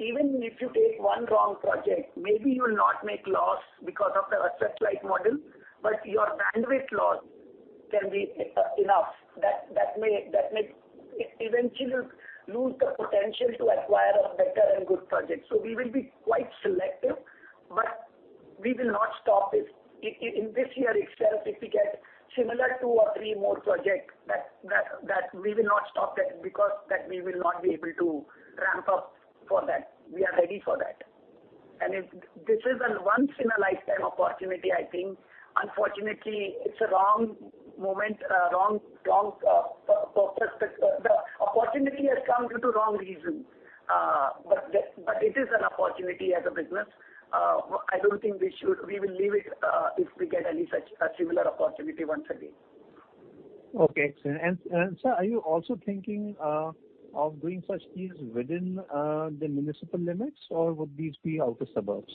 even if you take one wrong project, maybe you'll not make loss because of the asset light model, but your bandwidth loss can be enough that may eventually lose the potential to acquire a better and good project. We will be quite selective, but we will not stop it. In this year itself, if we get similar two or three more projects, we will not stop that because we will not be able to ramp up for that. We are ready for that. This is a once in a lifetime opportunity, I think. Unfortunately, the opportunity has come due to wrong reasons. It is an opportunity as a business. I don't think we will leave it if we get any such similar opportunity once again. Okay. Sir, are you also thinking of doing such deals within the municipal limits, or would these be outer suburbs?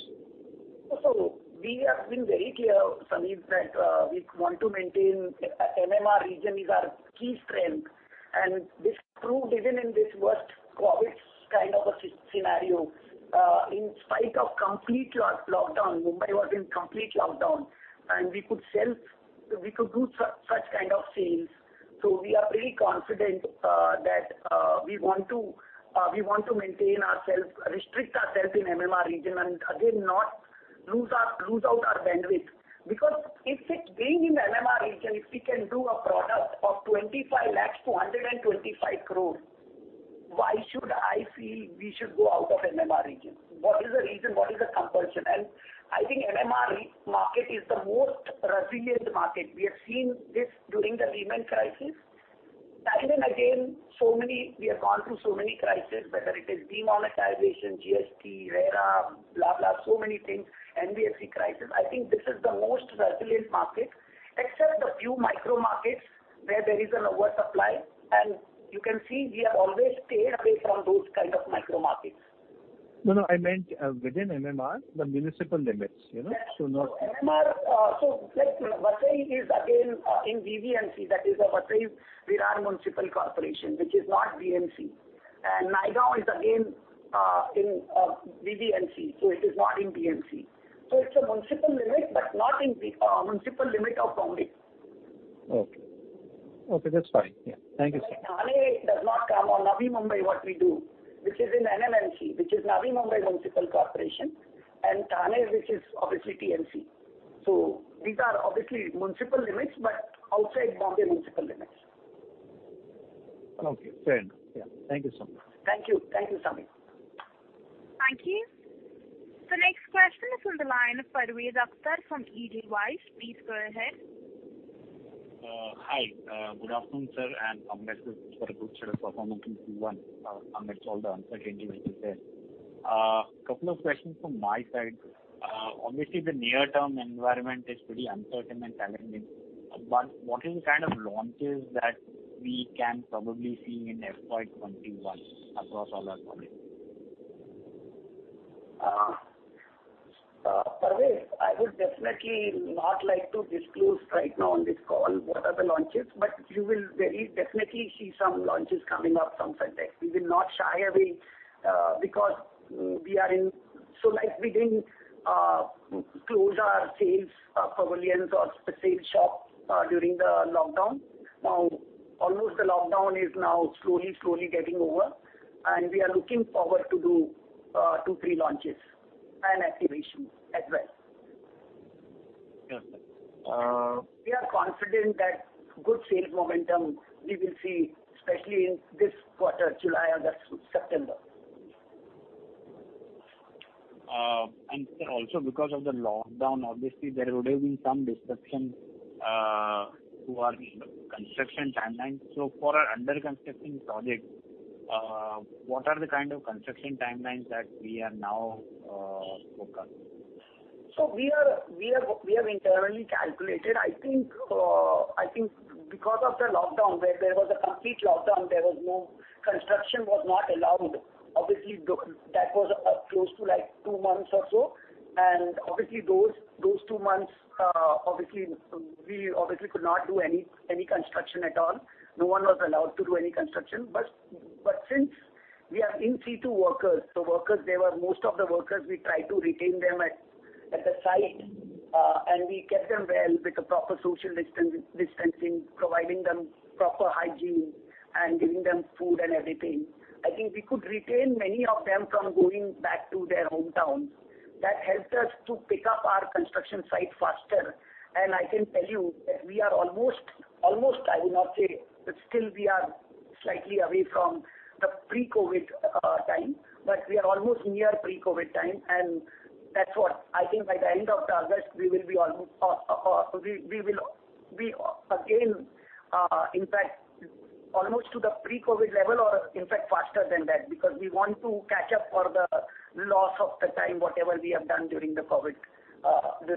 We have been very clear, Sameer, that we want to maintain MMR region is our key strength, and this proved even in this worst COVID kind of a scenario. In spite of complete lockdown, Mumbai was in complete lockdown, and we could do such kind of sales. We are pretty confident that we want to maintain ourselves, restrict ourself in MMR region, and again, not lose out our bandwidth. Because if it being in MMR region, if we can do a product of 25 lakhs to 125 crore, why should I feel we should go out of MMR region? What is the reason? What is the compulsion? I think MMR market is the most resilient market. We have seen this during the Lehman crisis. Time and again, we have gone through so many crises, whether it is demonetization, GST, RERA, blah, so many things, NBFC crisis. I think this is the most resilient market except the few micro markets where there is an oversupply, and you can see we have always stayed away from those kind of micro markets. No, I meant within MMR, the municipal limits. MMR, like Vasai is again in VVMC, that is a Vasai-Virar Municipal Corporation, which is not BMC. Naigaon is again in VVMC. It is not in BMC. It's a municipal limit, but not in municipal limit of Bombay. Okay. That's fine. Yeah. Thank you, sir. Thane does not come or Navi Mumbai, what we do, which is in NMMC, which is Navi Mumbai Municipal Corporation, and Thane, which is obviously TMC. These are obviously municipal limits, but outside Mumbai municipal limits. Okay. Fair enough. Yeah. Thank you, sir. Thank you, Sameer. Thank you. The next question is on the line, Parvez Akhtar from Edelweiss. Please go ahead. Hi. Good afternoon, sir, congrats with the good set of performance in Q1 amidst all the uncertainty which is there. A couple of questions from my side. Obviously, the near-term environment is pretty uncertain and challenging, what is the kind of launches that we can probably see in FY 2021 across all our projects? Parvez, I would definitely not like to disclose right now on this call what are the launches, but you will very definitely see some launches coming up from Sunteck. We will not shy away because we are in, so, like we didn't close our sales pavilions or sales shop during the lockdown. Now, almost the lockdown is now slowly getting over, and we are looking forward to do two, three launches and activations as well. Sure. We are confident that good sales momentum we will see, especially in this quarter, July, August, September. Sir, also because of the lockdown, obviously, there would have been some disruption to our construction timelines. For our under-construction projects, what are the kind of construction timelines that we are now looking? We have internally calculated. I think because of the lockdown, where there was a complete lockdown, construction was not allowed. Obviously, that was close to two months or so, and obviously, those two months we obviously could not do any construction at all. No one was allowed to do any construction. Since we have in situ workers, most of the workers, we tried to retain them at the site, and we kept them well with the proper social distancing, providing them proper hygiene, and giving them food and everything. I think we could retain many of them from going back to their hometowns. That helped us to pick up our construction site faster, and I can tell you that we are almost, I will not say, but still we are slightly away from the pre-COVID time, but we are almost near pre-COVID time. I think by the end of August, we will be again, in fact, almost to the pre-COVID level or, in fact, faster than that because we want to catch up for the loss of the time, whatever we have done during that COVID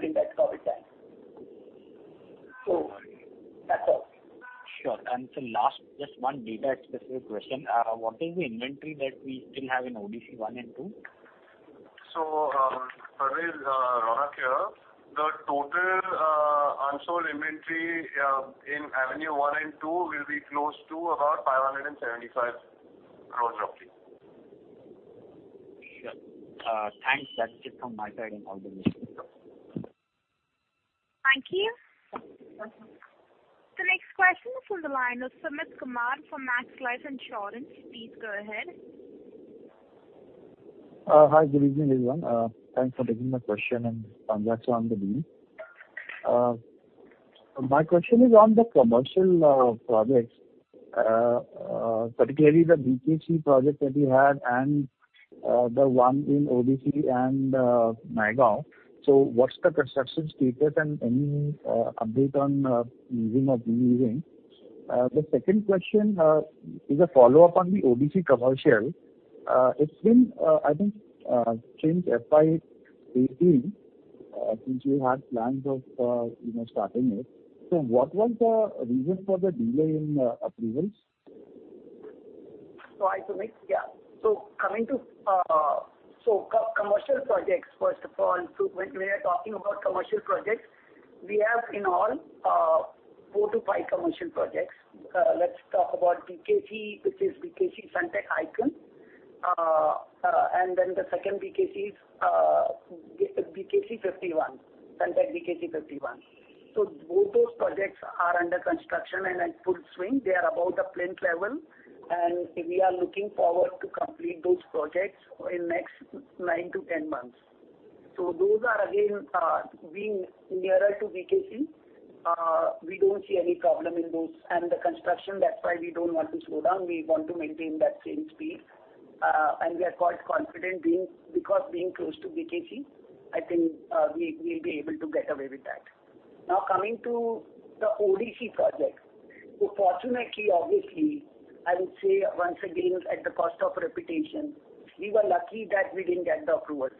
time. That's all. Sure. Sir, last, just one data-specific question. What is the inventory that we still have in ODC one and two? Parvez, Ronak here. The total unsold inventory in Avenue 1 and Avenue 2 will be close to about 575 crores roughly. Sure. Thanks. That's it from my side and all the best. Thank you. The next question is on the line of Sumit Kumar from Max Life Insurance. Please go ahead. Hi, good evening, everyone. Thanks for taking my question. Congrats on the beat. My question is on the commercial projects, particularly the BKC project that you had and the one in ODC and Naigaon. What's the construction status and any update on using or divesting? The second question is a follow-up on the ODC commercial. It's been, I think, since FY 2018, since you had plans of starting it. What was the reason for the delay in approvals? Hi, Sumit. Coming to commercial projects, first of all, when we are talking about commercial projects, we have in all 4-5 commercial projects. Let's talk about BKC, which is BKC Sunteck ICON, and then the second BKC is BKC 51, Sunteck BKC 51. Both those projects are under construction and at full swing. They are above the plane level, and we are looking forward to complete those projects in next 9-10 months. Those are again being nearer to BKC. We don't see any problem in those and the construction. That's why we don't want to slow down. We want to maintain that same speed, and we are quite confident because being close to BKC, I think we'll be able to get away with that. Coming to the ODC project. Fortunately, obviously, I would say once again, at the cost of repetition, we were lucky that we didn't get the approvals.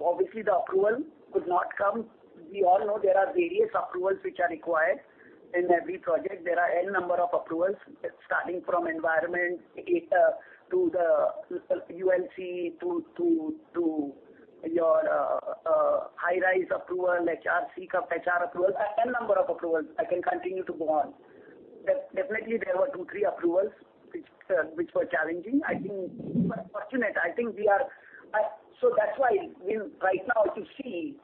Obviously, the approval could not come. We all know there are various approvals which are required in every project. There are N number of approvals starting from environment to the UNC to your high-rise approval, HRC, HR approval, N number of approvals. I can continue to go on. Definitely, there were two, three approvals which were challenging. I think we were fortunate. That's why right now if you see,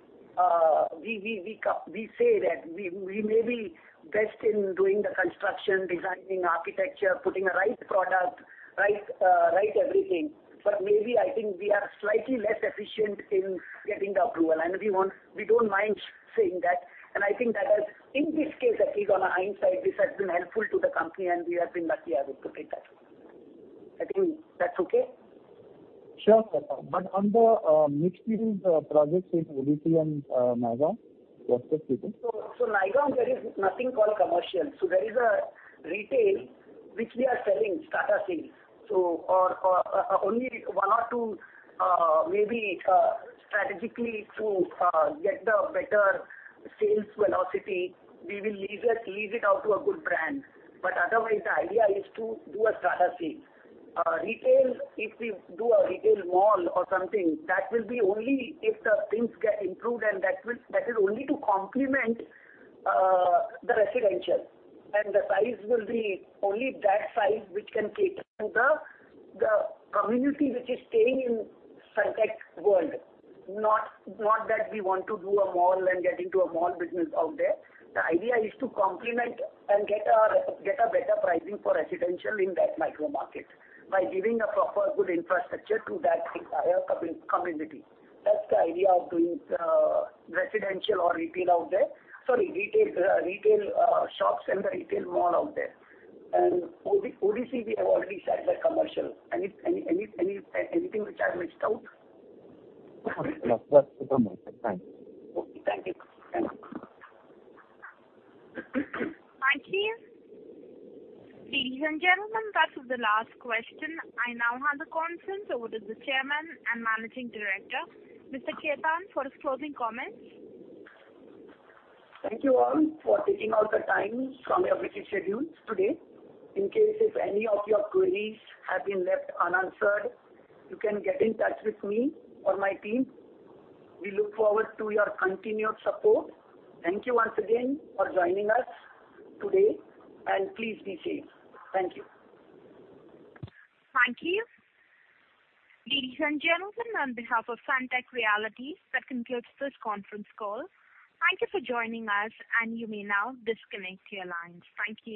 we say that we may be best in doing the construction, designing architecture, putting the right product, right everything. Maybe I think we are slightly less efficient in getting the approval, and we don't mind saying that, and I think that in this case, at least on a hindsight, this has been helpful to the company, and we have been lucky. I would put it that way. I think that's okay? Sure. On the mixed-use projects in ODC and Naigaon, what's the status? Naigaon, there is nothing called commercial. There is a retail which we are selling strata sales. Only 1 or 2 maybe strategically to get the better sales velocity, we will lease it out to a good brand, but otherwise the idea is to do a strata sale. Retail, if we do a retail mall or something, that will be only if the things get improved and that is only to complement the residential and the size will be only that size which can cater the community which is staying in Sunteck World. Not that we want to do a mall and get into a mall business out there. The idea is to complement and get a better pricing for residential in that micro market by giving a proper good infrastructure to that entire community. That's the idea of doing residential or retail out there. Sorry, retail shops and the retail mall out there. ODC we have already set the commercial. Anything which I missed out? No, that's it from my side. Thank you. Okay, thank you. Thank you. Ladies and gentlemen, that was the last question. I now hand the conference over to the Chairman and Managing Director, Mr. Khetan for his closing comments. Thank you all for taking out the time from your busy schedules today. In case if any of your queries have been left unanswered, you can get in touch with me or my team. We look forward to your continued support. Thank you once again for joining us today, and please be safe. Thank you. Thank you. Ladies and gentlemen, on behalf of Sunteck Realty, that concludes this conference call. Thank you for joining us and you may now disconnect your lines. Thank you.